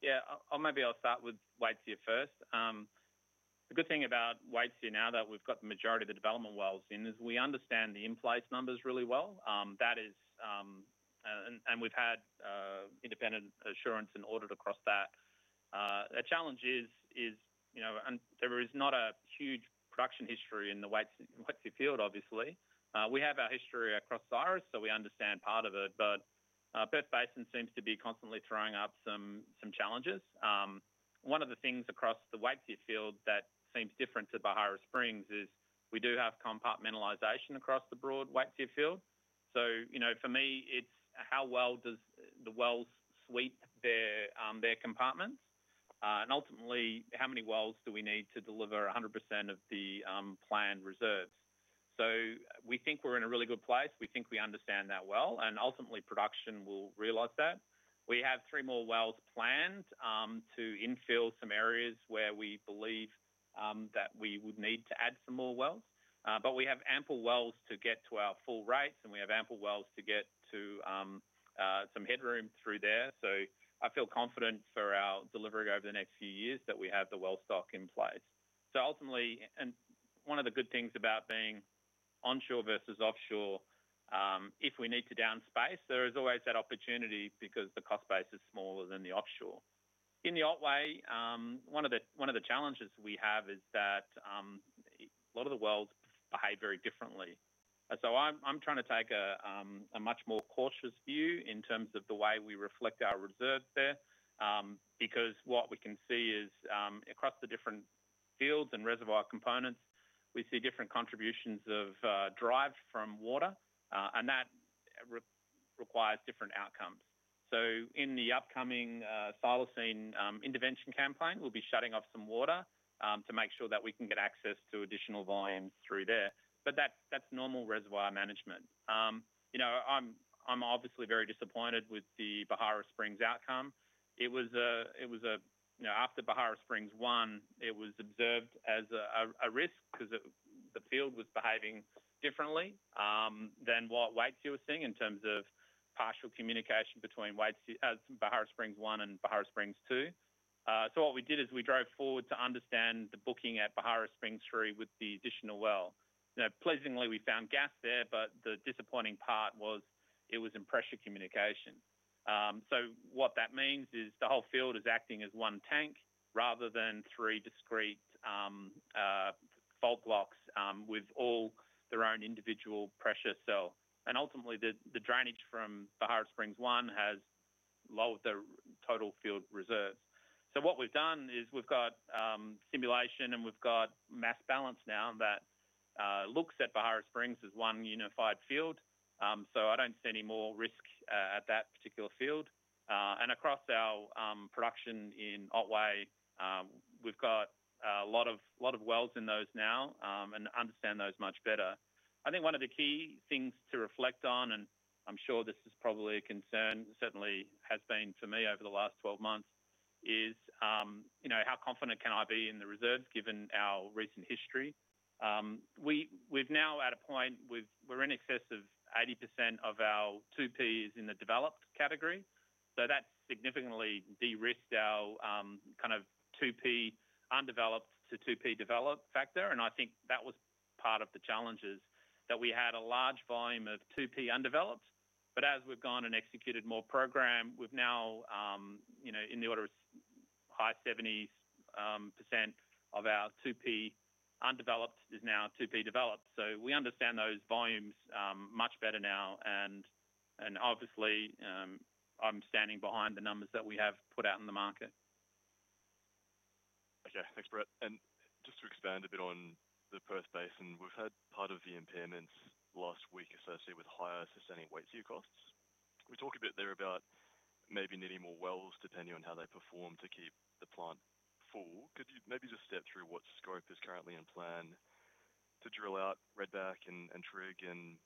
Yeah, maybe I'll start with Waitsia first. The good thing about Waitsia, now that we've got the majority of the development wells in, is we understand the inflates numbers really well. That is, and we've had independent assurance. An audit across that. The challenge is, you know, there is not a huge production history in the Waitsia field. Obviously we have our history across Cygnus, so we understand part of it. Perth Basin seems to be constantly throwing up some challenges. One of the things across the Waitsia. Field that seems different to Beharra Springs Deep. We do have compartmentalization across the broad Waitsia field. For me, it's how well the wells suit their compartments and ultimately how many wells we need to deliver 100% of the planned reserves. We think we're in a really good place. We think we understand that well, and ultimately production will realize that. We have three more wells planned to infill some areas where we believe that we would. Need to add some more wells. We have ample wells to get to our full rates, and we have ample wells to get to some headroom through there. I feel confident for our delivery. Over the next few years that we have the well stock in place, one of the good things about being onshore versus offshore. If we need to downspace, there is always that opportunity because of the cost. Bass is smaller than the offshore. In the Otway, one of the challenges we have is that a lot of the wells behave very differently. I'm trying to take a much. More cautious view in terms of the way we reflect our reserve there. Because what we can see is across. The different fields and reservoir components, we. See different contributions of drive from water, and that requires different outcomes. In the upcoming Thylacine intervention campaign, we'll be shutting off some water to make sure that we can get access. To additional volumes through there. That's normal reservoir management. You know, I'm obviously very disappointed with the Beharra Springs outcome. It was a, you know, after Beharra. Springs 1, it was observed as a. Risk because the field was behaving differently than what Waitsia were seeing in. Terms of partial communication between Beharra Springs 1 and Beharra Springs 2. What we did is we drove forward to understand the booking at Beharra. Springs 3 with the additional well. Pleasingly, we found gas there. The disappointing part was it was in pressure communication, which means the whole field is acting as one tank rather than three discrete fault blocks with all. Their own individual pressure cell. Ultimately, the drainage from Beharra Springs. One has lowered the total field reserves. What we've done is we've got simulation and we've got mass balance now that looks at Beharra Springs as one unified field. I don't see any more risk at that particular field, and across our production in Otway, we've got a lot of wells in those now and understand those much better. I think one of the key things to reflect on, and I'm sure this. Is probably a concern, certainly has been. For me over the last 12 months, how confident can I be in the reserves? Given our recent history, we're now at a point we're in excess of 80% of our 2P is in the developed category. That significantly de-risked our kind of 2P undeveloped to 2P developed factor. I think that was part of the challenges that we had a large volume of 2P undeveloped. As we've gone and executed more program, we're now in the order of high 70% of our 2P undeveloped is now 2P developed. We understand those volumes much better now. Obviously, I'm standing behind the numbers that we have put out in the market. Okay, thanks, Brett. To expand a bit on the Perth Basin, we've had part of the impairments last week associated with higher sustaining Waitsia costs. We talk a bit there about maybe needing more wells, depending on how they perform to keep the plant full. Could you maybe just step through what scope is currently in plan to drill out Redback and Trig and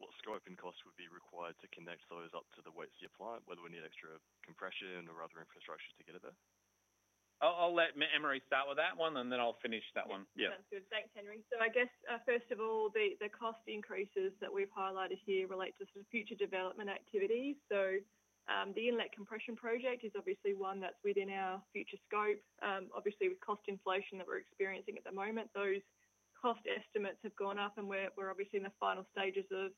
what scope and cost would be required to connect those up to the Waitsia plant, whether we need extra compression or other infrastructure to get it there. I'll let Anne-Marie start with that one, then I'll finish that one. Yeah, sounds good. Thanks, Henry. First of all, the cost increases that we've highlighted here relate to future development activities. The inlet compression project is obviously one that's within our future scope. Obviously, with cost inflation that we're experiencing at the moment, those cost estimates have gone up, and we're in the final stages of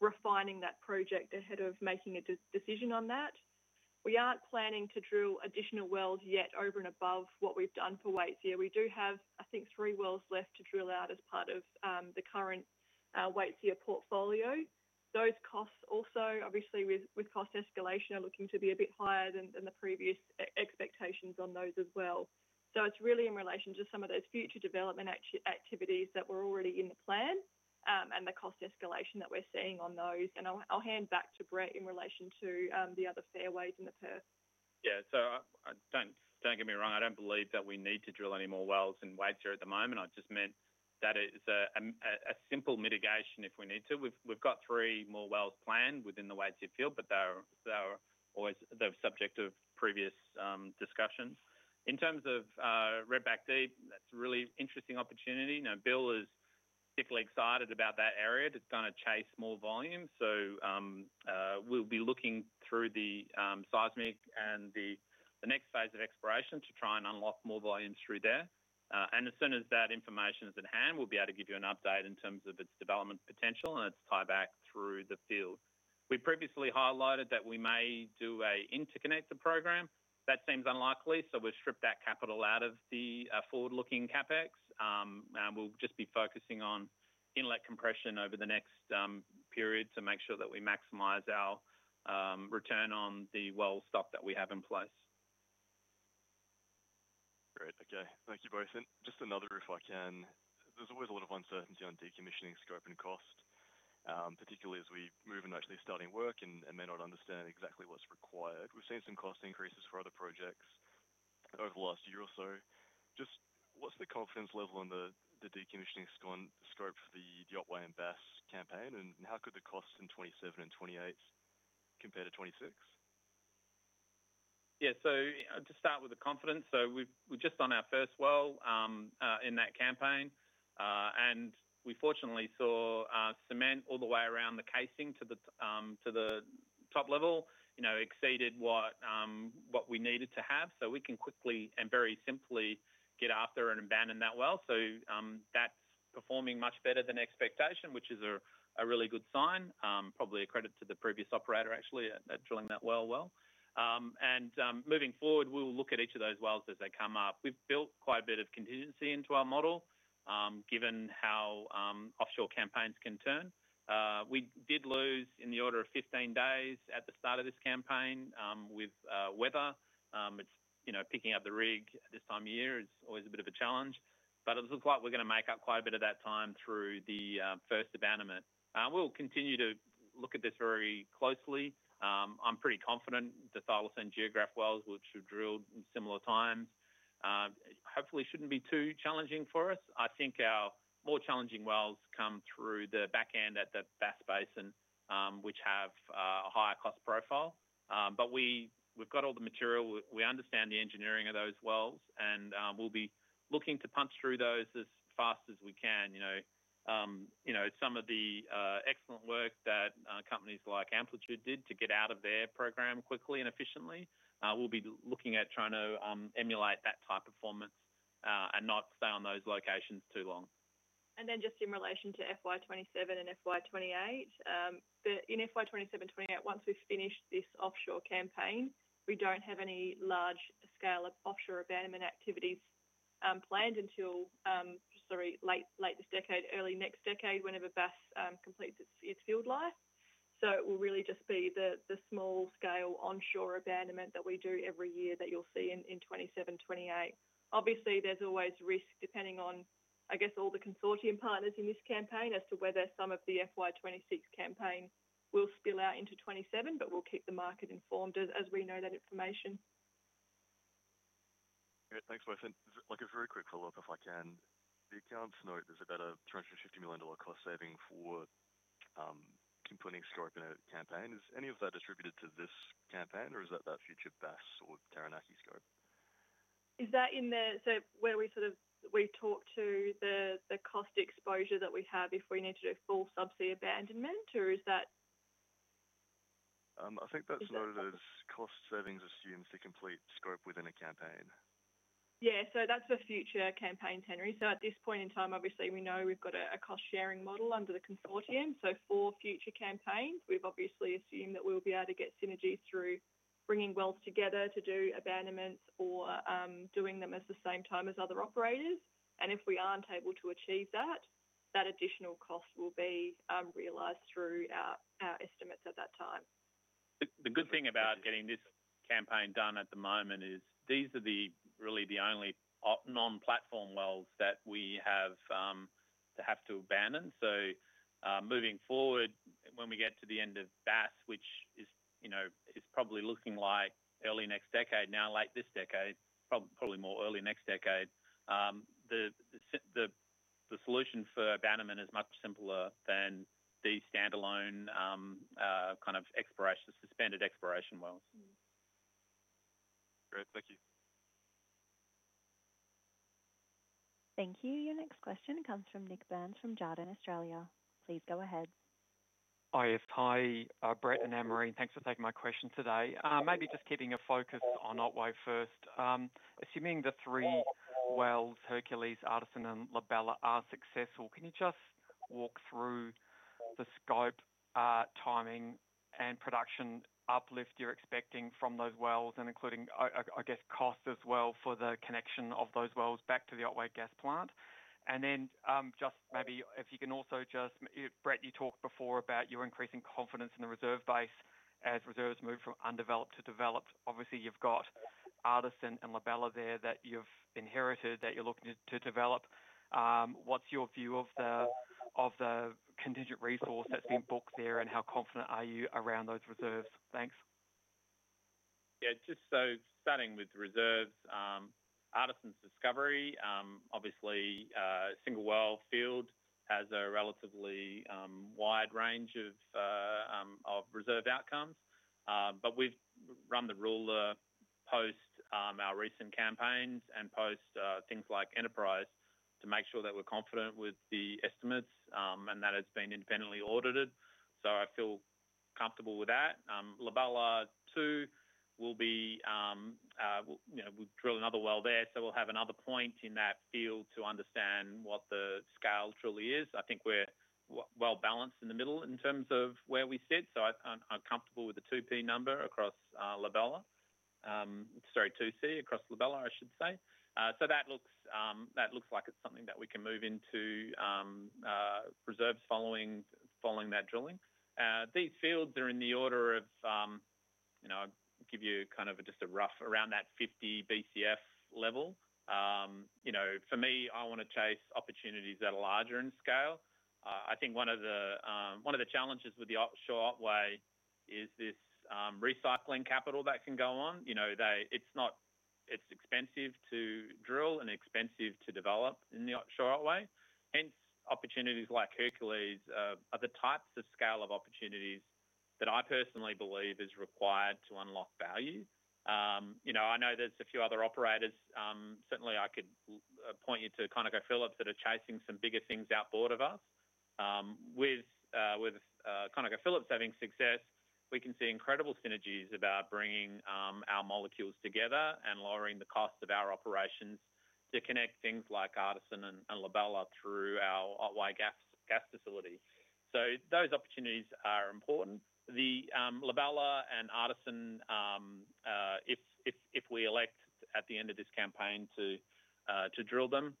refining that project ahead of making a decision on that. We aren't planning to drill additional wells yet. Over and above what we've done for Waitsia, we do have, I think, three wells left to drill out as part of the current Waitsia portfolio. Those costs also, with cost escalation, are looking to be a bit higher than the previous expectations on those as well. It's really in relation to some of those future development activities that were already in the plan and the cost escalation that we're seeing on those. I'll hand back to Brett in relation to the other fairways in the Perth. Yeah, don't get me wrong, I. Don't believe that we need to drill any more wells in Waitsia at the moment. I just meant that is a simple mitigation if we need to. We've got three more wells planned within. The Waitsia field, but they are always the subject of previous discussions in. terms of Redback Deep, that's a really interesting opportunity. Bill is particularly excited about that area to kind of chase more volumes. We'll be looking through the seismic. The next phase of exploration too. Try and unlock more volumes through there. As soon as that information is. At hand, we'll be able to give. You an update in terms of its development potential and its tie back through the field. We previously highlighted that we may do an interconnected program. That seems unlikely, so we've stripped that capital out of the forward-looking CapEx and we'll just. Be focusing on inlet compression over the. Next period to make sure that we maximize our return on the well stock that we have in place. Great. Okay, thank you both. Just another if I can. There's always a lot of uncertainty on decommissioning scope and cost, particularly as we move and actually start work and may not understand exactly what's required. We've seen some cost increases for other projects over the last year or so. What's the confidence level on the decommissioning scope for the Otway and Bass campaign? How could the costs in 2027 and 2028 compare to 2026? Yeah, to start with the confidence, we're just on our first well in that campaign and we fortunately saw cement all the way around the casing to the top level, you know, exceeded what we needed to have. We can quickly and very simply get after and abandon that well. That's performing much better than expectation. Which is a really good sign. Probably a credit to the previous operator actually at drilling that well and moving forward. We will look at each of those wells as they come up. We've built quite a bit of contingency into our model given how offshore campaigns can turn. We did lose in the order of 15 days at the start of this campaign with weather. It's, you know, picking up the rig this time of year. It's always a bit of a challenge. It looks like we're going to make up quite a bit of that time through the first abandonment. We'll continue to look at this very closely. I'm pretty confident the Thylacine Geograph wells, which have drilled in similar times, hopefully shouldn't be too challenging for us. I think our more challenging wells come through the back end at the Bass Basin, which have a higher cost profile. We've got all the material, we understand the engineering of those wells, and we'll be looking to punch through those as fast as we can. Some of the excellent work that companies like Amplitude did to get out of their program quickly and efficiently, we'll be looking at trying to emulate that type of performance and not stay on. Those locations are too long. In relation to FY 2027 and FY 2028, once we've finished this offshore campaign, we don't have any large-scale offshore abandonment activities planned until, sorry, late this decade or early next decade whenever Bass Basin completes its field life. It will really just be the small-scale onshore abandonment that we do every year that you'll see in FY 2027 and FY 2028. Obviously, there's always risk depending on, I guess, all the consortium partners in this campaign as to whether some of the FY 2026 campaign will spill out into FY 2027. We'll keep the market informed as we know that information. Thanks, next question. A very quick follow-up if I can. The accounts note there's about a $250 million cost saving for completing scope in a campaign. Is any of that attributed to this campaign, or is that future Bass or Taranaki scope? Is that in there? Where we sort of talk to the cost exposure that we have if we need to do full subsea abandonment, or is that. I think that's noted as cost savings of students to complete scope within a campaign. Yeah, that's for future campaigns, Henry. At this point in time, obviously we know we've got a cost sharing model under the consortium. For future campaigns, we've obviously assumed that we'll be able to get synergies through bringing wells together to do abandonment or doing them at the same time as other operators. If we aren't able to achieve that, that additional cost will be realized through our estimates at that time. The good thing about getting this campaign done at the moment is these are really the only non-platform wells that we have to abandon. Moving forward, when we get to the end of Bass, which is, you know, it's probably looking like early next decade now, late this decade, probably more early next decade. The solution for Bannerman is much simpler than the standalone kind of suspended exploration wells. Great, thank you. Thank you. Your next question comes from Nik Burns from Jarden, Australia. Please go ahead. Hi Brett and Anne-Marie, thanks for taking my question today. Maybe just keeping a focus on Otway first. Assuming the three wells, Hercules, Artisan, and La Bella, are successful, can you just walk through the scope, timing, and production uplift you're expecting from those wells, including, I guess, cost as well for the connection of those wells back to the Otway gas plant? Maybe if you can also just, Brett, you talked before about your increasing confidence in the reserve base as reserves move from undeveloped to developed. Obviously you've got Artisan and La Bella there that you've inherited that you're looking to develop. What's your view of the contingent resource that's been booked there and how confident are you around those reserves? Thanks. Yeah, just so starting with reserves, Artisans discovery, obviously single well field has a relatively wide range of reserve outcomes, but we've run the ruler post our recent. Campaigns and post things like Enterprise too. Make sure that we're confident with the estimates and that it's been independently audited. I feel comfortable with that. La Bella 2 will be, you know, we'll drill another well there, so we'll have another point in that field to understand what the scale truly is. I think we're well balanced in the middle in terms of where we sit. I'm comfortable with the 2P number across La Bella. Sorry, $0.02 across La Bella. I should say so that looks like it's something that we can move into reserves following that drilling. These fields are in the order of. You know, give you kind of just. A rough around that 50 BCF level. You know, for me, I want to. Chase opportunities that are larger in scale. I think one of the challenges with the offshore way is this recycling capital that can go on. You know, they. It's expensive to drill and expensive to develop in the offshore way. Hence, opportunities like Hercules are the types. Of scale of opportunities that I personally. Believe is required to unlock value. I know there's a few other operators, certainly I could point you to ConocoPhillips that are chasing some bigger things outboard of us. With ConocoPhillips having success, we can see incredible synergies about bringing our molecules together and lowering. The cost of our operations to connect. Things like Artisan and La Bella through our Otway gas facility. Those opportunities are important. The La Bella and Artisan, if we elect at the end of this campaign to drill them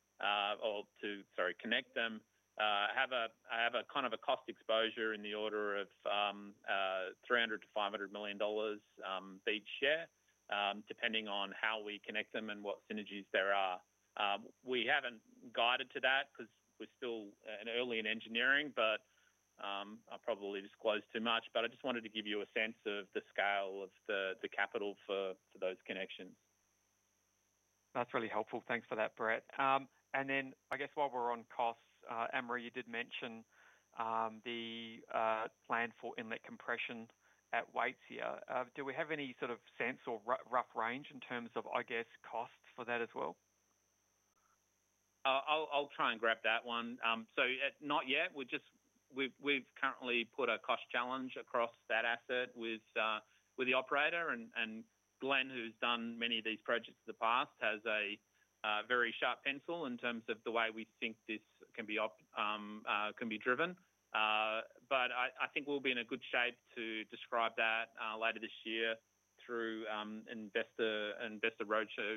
or to connect them, have a kind of a cost exposure in the order of $300 million-$500 million each year, depending on how we connect them and what synergies there are. We haven't guided to that because we're still early in engineering, but I probably disclosed too much. I just wanted to give you. A sense of the scale of the capital for those connections. That's really helpful. Thanks for that, Brett. I guess while we're on. Costs, Anne-Marie, you did mention the plan for inlet compression at Waitsia. Do we have any sort of sense or rough range in terms of, I guess, costs for that as well? I'll try and grab that one. Not yet. We've currently put a cost challenge across that asset with the operator. Glenn, who's done many of these projects in the past, has a very. Sharp pencil in terms of the way. We think this can be driven. I think we'll be in good shape to describe that later this year through investor roadshow,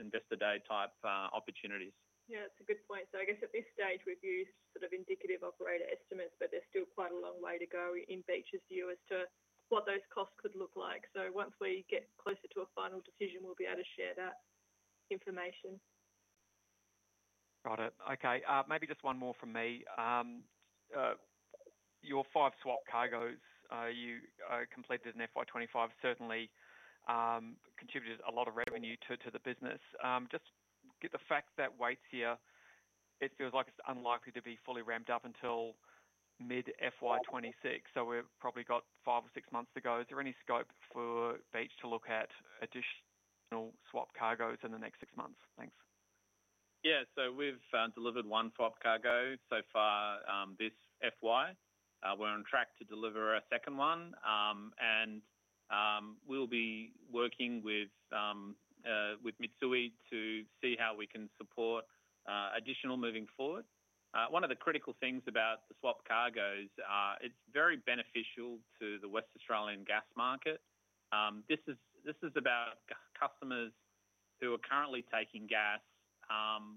investor day type opportunities. Yeah, that's a good point. I guess at this stage we've used sort of indicative operator estimates, but there's still quite a long way to go in Beach's view as to what those costs could look like. Once we get closer to a final decision, we'll be able to share that information. Got it. Okay. Maybe just one more from me. Your five LNG swap cargoes you completed in FY 2025 certainly contributed a lot of revenue to the business. Just get the fact that Waitsia, it feels like it's unlikely to be fully ramped up until mid FY 2026. We've probably got five or six months to go. Is there any scope for Beach to look at additional swap cargoes in the next six months? Thanks. Yeah, we've delivered one LNG swap cargo so far this FY. We're on track to deliver a second. One, and we'll be working with Mitsui to see how we can support additional moving forward. One of the critical things about the LNG swap cargoes, it's very beneficial to the. West Australian gas market. This is about customers who are currently. Taking gas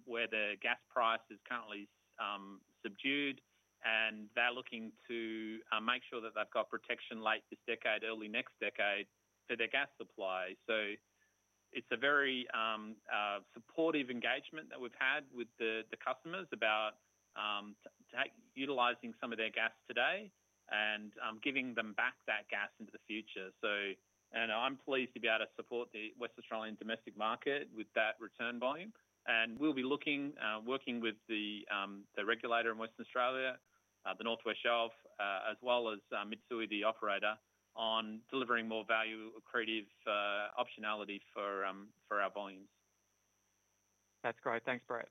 where the gas price is currently subdued and they're looking to make sure that they've got protection late this decade, early next decade for their gas supply. It is a very supportive engagement that we've had with the customers about utilizing some of their gas today and giving them back that gas into the future. I'm pleased to be able to support the West Australian domestic market. With that return volume. We will be working with the regulator in Western Australia, the Northwest Shelf, and as well as Mitsui, the operator, on delivering more value accretive optionality for our volumes. That's great. Thanks, Brett.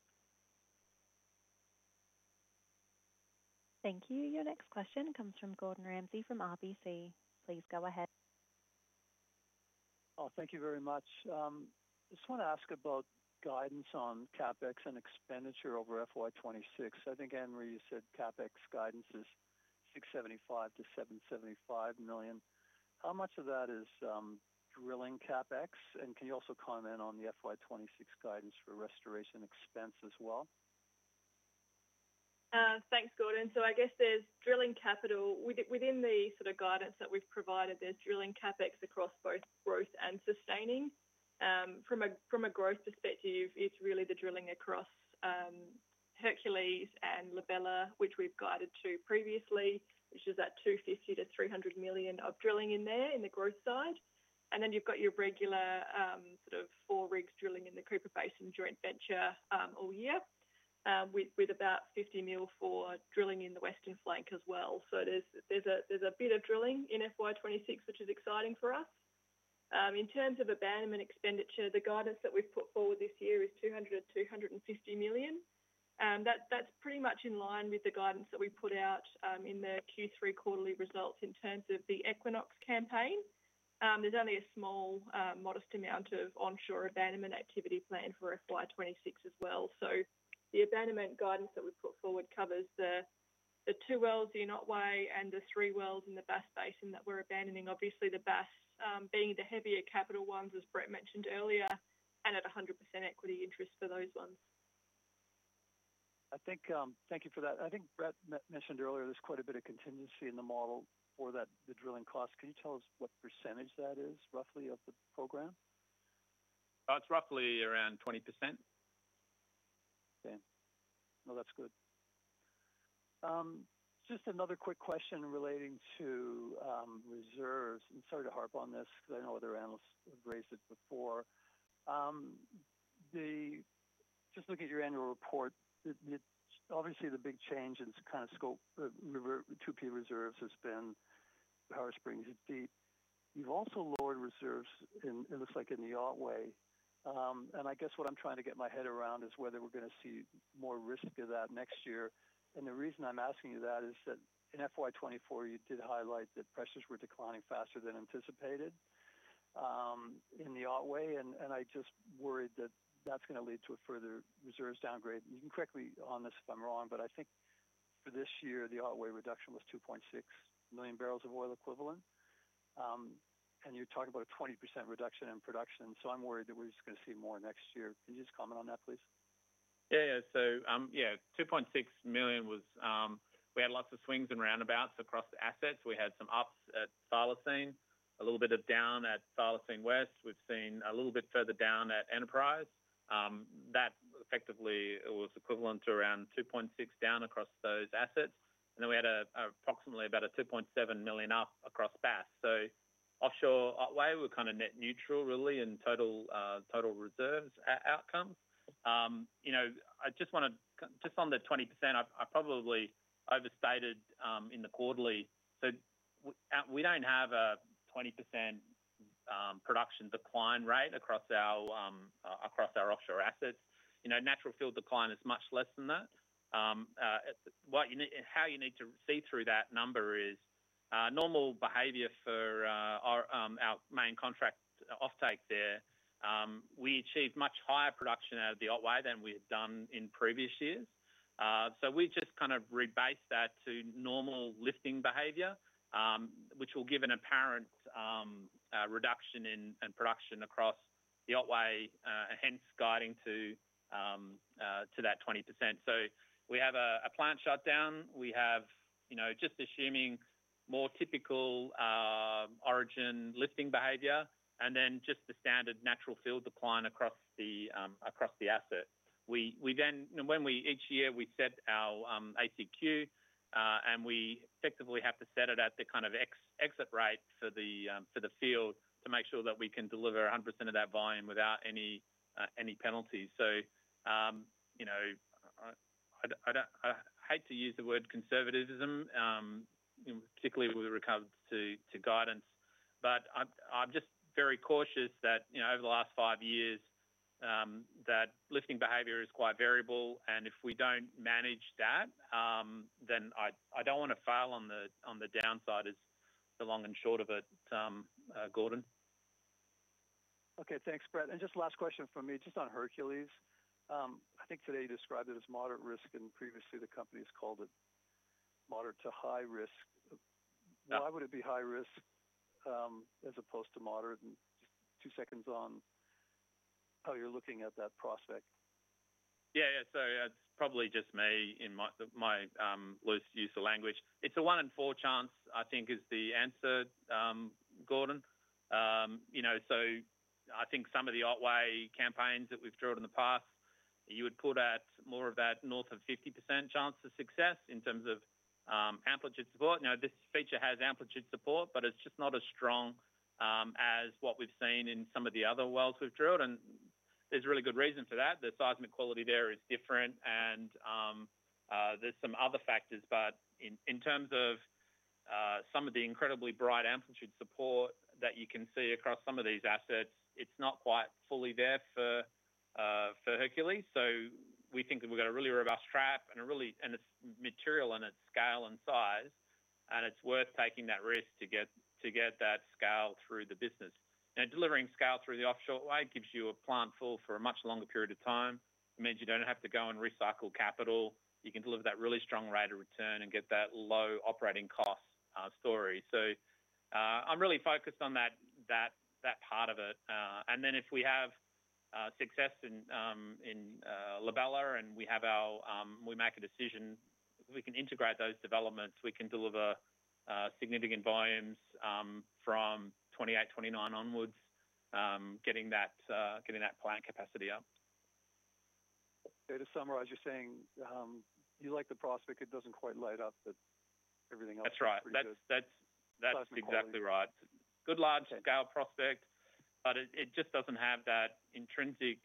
Thank you. Your next question comes from Gordon Ramsay from RBC. Please go ahead. Thank you very much. I just want to ask about guidance on CapEx and expenditure over FY 2026, I think. Anne-Marie, you said CapEx guidance is $675 million-$775 million. How much of that is drilling CapEx? Can you also comment on the FY 2026 guidance for restoration expense as well? Thanks, Gordon. I guess there's drilling capital within the sort of guidance that we've provided. There's drilling CAPEX across both growth and sustaining. From a growth perspective, it's really the drilling across Hercules and La Bella, which we've guided to previously, which is that $250 million-$300 million of drilling in there, in the growth side, and then you've got your regular sort of four rigs drilling in the Cooper Basin joint venture all year with about $50 million for drilling in the Western Flank as well. There's a bit of drilling in FY 2026, which is exciting for us. In terms of abandonment expenditure, the guidance that we've put forward this year is $200 million-$250 million. That's pretty much in line with the guidance that we put out in the Q3 quarterly results. In terms of the Equinox campaign, there's only a small, modest amount of onshore abandonment activity planned for FY 2026 as well. The abandonment guidance that we put forward covers the two wells in the Otway and the three wells in the Bass Basin that we're abandoning. Obviously, the Bass being the heavier capital ones, as Brett mentioned earlier, and at 100% equity interest for those ones. I think. Thank you for that. I think Brett mentioned earlier there's quite a bit of contingency in the model for that. The drilling cost, can you tell us what % that is roughly of the program? It's roughly around 20%. Now, that's good. Just another quick question relating to reserves. I'm sorry to harp on this because I know other analysts embraced it before. The. Just looking at your annual report, obviously the big change in kind of scope 2P reserves has been Beharra Springs Deep. You've also lowered reserves, it looks like, in the Otway. I guess what I'm trying to get my head around is whether we're going to see more risk of that next year. The reason I'm asking you that is that in FY 2024 you did highlight that pressures were declining faster than anticipated in the Otway. I'm just worried that that's going to lead to a further reserve downgrade. You can correct me on this if I'm wrong, but I think for this year the Otway reduction was 2.6 million barrels of oil equivalent. You're talking about a 20% reduction in production. I'm worried that we're just going to see more next year. Can you just comment on that, please? Yeah. 2.6 million was. We had lots of swings and roundabouts across the assets. We had some ups at Thylacine, a little bit of down at Thylacine West. We've seen a little bit further down at Enterprise that effectively was equivalent to around 2.6 million down across those assets. Then we had approximately about a 2.7 million up across Bass. Offshore way, we're kind of net neutral really in total reserves outcome. I just want to, just on the 20%, I probably overstated in the quarterly. We don't have a 20% production decline rate across our offshore assets. Natural field decline is much less than that. What you need, how you need to see through that number is normal behavior. For our main contract offtake there, we achieved much higher production out of the Otway than we had done in previous years. We just kind of rebase that to normal lifting behavior, which will give an apparent reduction in production across the Otway, hence guiding to that 20%. We have a plant shutdown. We're just assuming more typical Origin lifting behavior and then just the standard natural field decline across the asset. When we, each year we set our ACQ and we effectively have to set it at the kind of exit rate for the field to make sure that we can deliver 100% of that volume without any penalties. I hate to use the word conservatism, particularly with regards to guidance, but I'm just very cautious that over the last five years that lifting behavior is quite variable and if we don't manage that, then I don't want to fail. On the downside is the long and short of it. Gordon. Okay, thanks, Brett. Just last question for me. On Hercules, I think today you described it as moderate risk and previously the company has called it moderate to high risk. Why would it be high risk as opposed to moderate? Just two seconds on how you're looking at that prospect. Yeah, it's probably just me in. My loose use of language. It's a one in four chance, I think is the answer, Gordon. I think some of the Otway campaigns that we've drilled in the past, you would put at more of that north of 50% chance of success in terms of amplitude support. Now this feature has amplitude support, but it's just not as strong as what we've seen in some of the other wells we've drilled. There is really good reason for that. The seismic quality there is different and there's some other factors, but in terms of some of the incredibly bright amplitude support that you can see across some of these assets, it's not quite fully there for Hercules. We think that we've got a really robust trap and it's material in its scale and size, and it's worth taking that risk to get that scale through the business. Now delivering scale through the offshore way. Gives you a plant full for a much longer period of time, means you don't have to go and recycle capital. You can deliver that really strong rate of return and get that low operating cost story. I'm really focused on that part of it. If we have success in La Bella and we make a decision, we can integrate those developments, we can deliver significant volumes from 2028, 2029 onwards, getting that plant capacity up. To summarize, you're saying you like the prospect. It doesn't quite light up like everything else. That's right, that's exactly right. Good large scale prospect, but it just doesn't have that intrinsic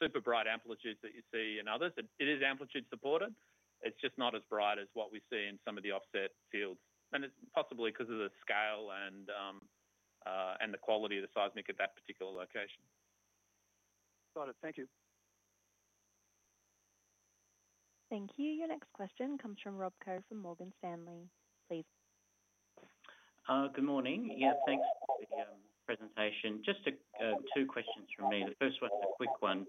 super bright amplitude that you see in others. It is amplitude supported, it's just not as bright as what we see in some of the offset fields, and it's possibly because of the scale and the quality of the. Seismic at that particular location. Got it. Thank you. Thank you. Your next question comes from Rob Coe from Morgan Stanley, please. Good morning. Yeah, thanks for the presentation. Just two questions from me. The first one's a quick one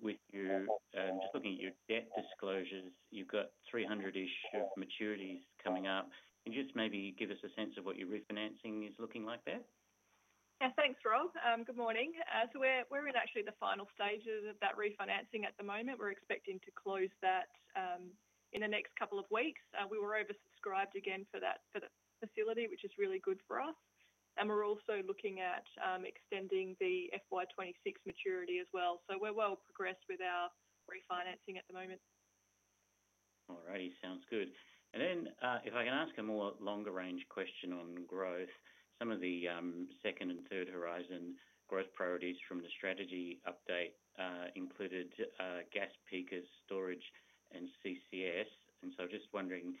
with you just looking at your debt disclosures. You've got $300 million of maturities coming up and just maybe give us a sense of what your refinancing is looking like there. Yeah, thanks Rob. Good morning. We're in actually the final stages of that refinancing at the moment. We're expecting to close that in the next couple of weeks. We were oversubscribed again for that facility, which is really good for us, and we're also looking at extending the FY 2026 maturity as well. We're well progressed with our refinancing at the moment. Alrighty, sounds good. If I can ask a more longer range question on growth, some of the second and third horizon growth priorities from the strategy update included gas peakers, storage, and CCS. I'm just wondering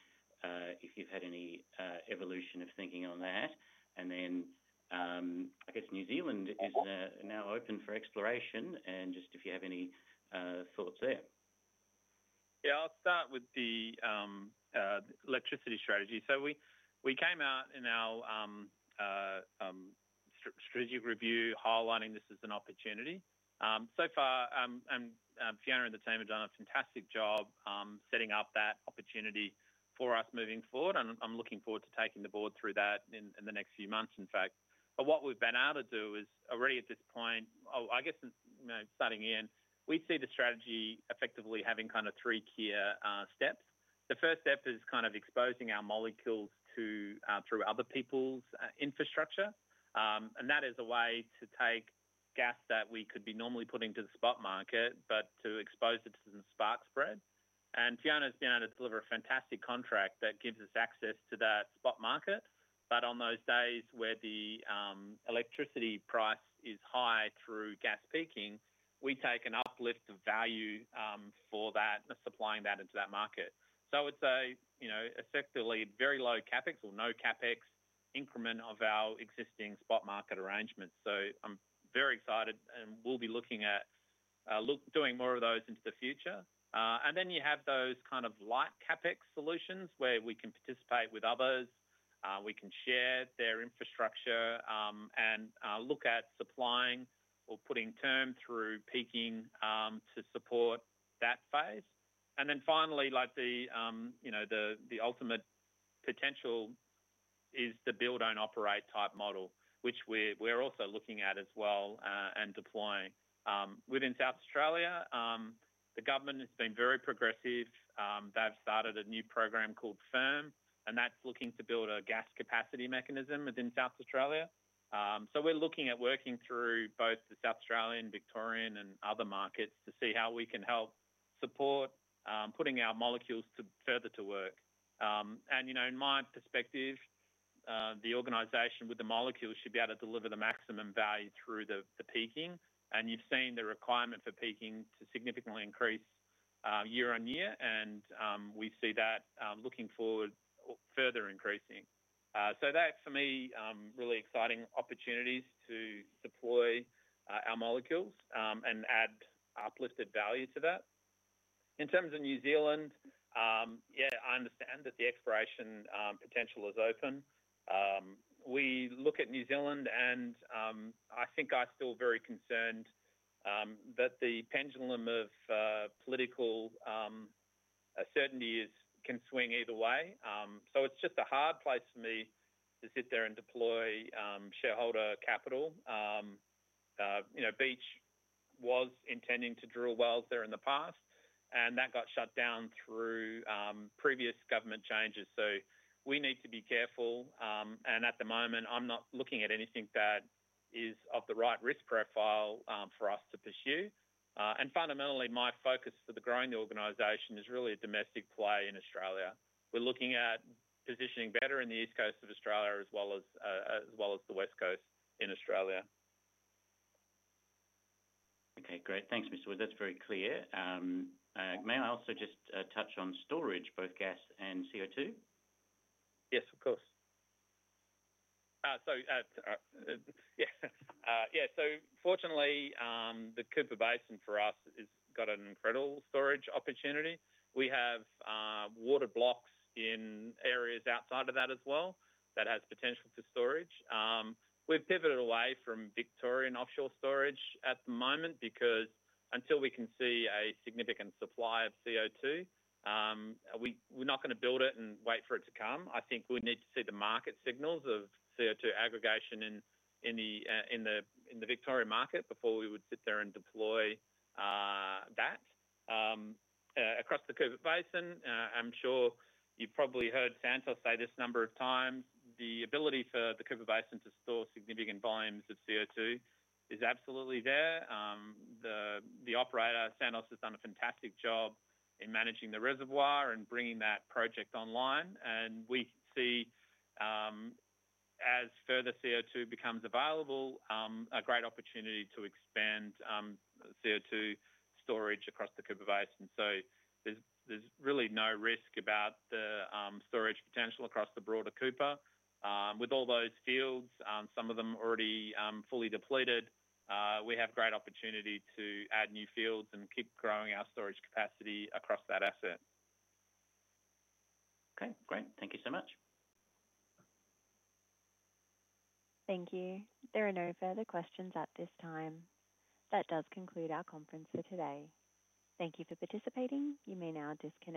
if you've had any evolution of thinking on that. I guess New Zealand is now open for exploration and just if you have any thoughts there. I'll start with the electricity strategy. We came out in our strategic review highlighting this as an opportunity. So far, Fiona and the team have done a fantastic job setting up that opportunity for us moving forward, and I'm looking forward to taking the board through that in the next few months, in fact. What we've been able to do is already at this point, I guess starting in, we see the strategy effectively having kind of three key steps. The first step is kind of exposing our molecules through other people's infrastructure. That is a way to take gas that we could be normally putting to the spot market but to expose. is tied to the spark spread. Tiona has been able to deliver a fantastic contract that gives us access to that spot market. On those days where the electricity price is high through gas peaking, we take an uplift of value for that, supplying that into that market. It is a sector lead, very low CapEx or no CapEx increment of our existing spot market arrangements. I'm very excited and we'll be. Looking at doing more of those into the future. You have those kind of light CapEx solutions where we can participate with others, we can share their infrastructure and look at supplying or putting turn through peaking to support that phase. Finally, the ultimate potential is the build and operate type model which we're also looking at as well and deploying. Within South Australia the government has been very progressive. They've started a new program called firm and that's looking to build a gas capacity mechanism within South Australia. We're looking at working through both the South Australian, Victorian and other markets to see how we can help support putting our molecules further to work. In my perspective the organization with the molecules should be able to deliver the maximum value through the peaking. You've seen the requirement for peaking to significantly increase year on year and we see that looking forward further increasing. That for me is really exciting opportunities to deploy our molecules and add uplifted value to that. In terms of New Zealand, I understand that the exploration potential is open. We look at New Zealand and I think I still very concerned that the pendulum of political certainty can swing either way. It's just a hard place to. Me to sit there and deploy shareholder capital. You know Beach was intending to drill wells there in the past, and that got shut down through previous government changes. We need to be careful, and at the moment I'm not looking at anything that is of the right risk profile for us to pursue. Fundamentally, my focus for growing the organization is really a domestic play in Australia. We're looking at positioning better in the east coast of Australia as well. The west coast in Australia. Okay, great, thanks Mr. Woods. That's very clear. May I also just touch on storage, both gas and CO2? Yes, of course. Fortunately the Cooper Basin for us. It's got an incredible storage opportunity. We have water blocks in areas outside of that as well that has potential for storage. We've pivoted away from Victorian offshore storage at the moment because until we can see a significant supply of CO2, we're not going to build it and wait for it to come. I think we need to see the market signals of CO2 aggregation in the Victorian market before we would sit there and deploy that across the Cooper Basin. I'm sure you've probably heard Santos say. The ability for the Cooper Basin to store significant volumes of CO2 is absolutely there. The operator, Santos, has done a fantastic job in managing the reservoir and bringing that project online. We see, as further CO2 becomes available, a great opportunity to expand CO2. Storage across the Cooper Basin. There's really no risk about the. Storage potential across the broader Cooper. With all those fields, some of them already fully depleted, we have great opportunity to add new fields and keep growing. Our storage capacity across that asset. Okay, great. Thank you so much. Thank you. There are no further questions at this time. That does conclude our conference for today. Thank you for participating. You may now disconnect.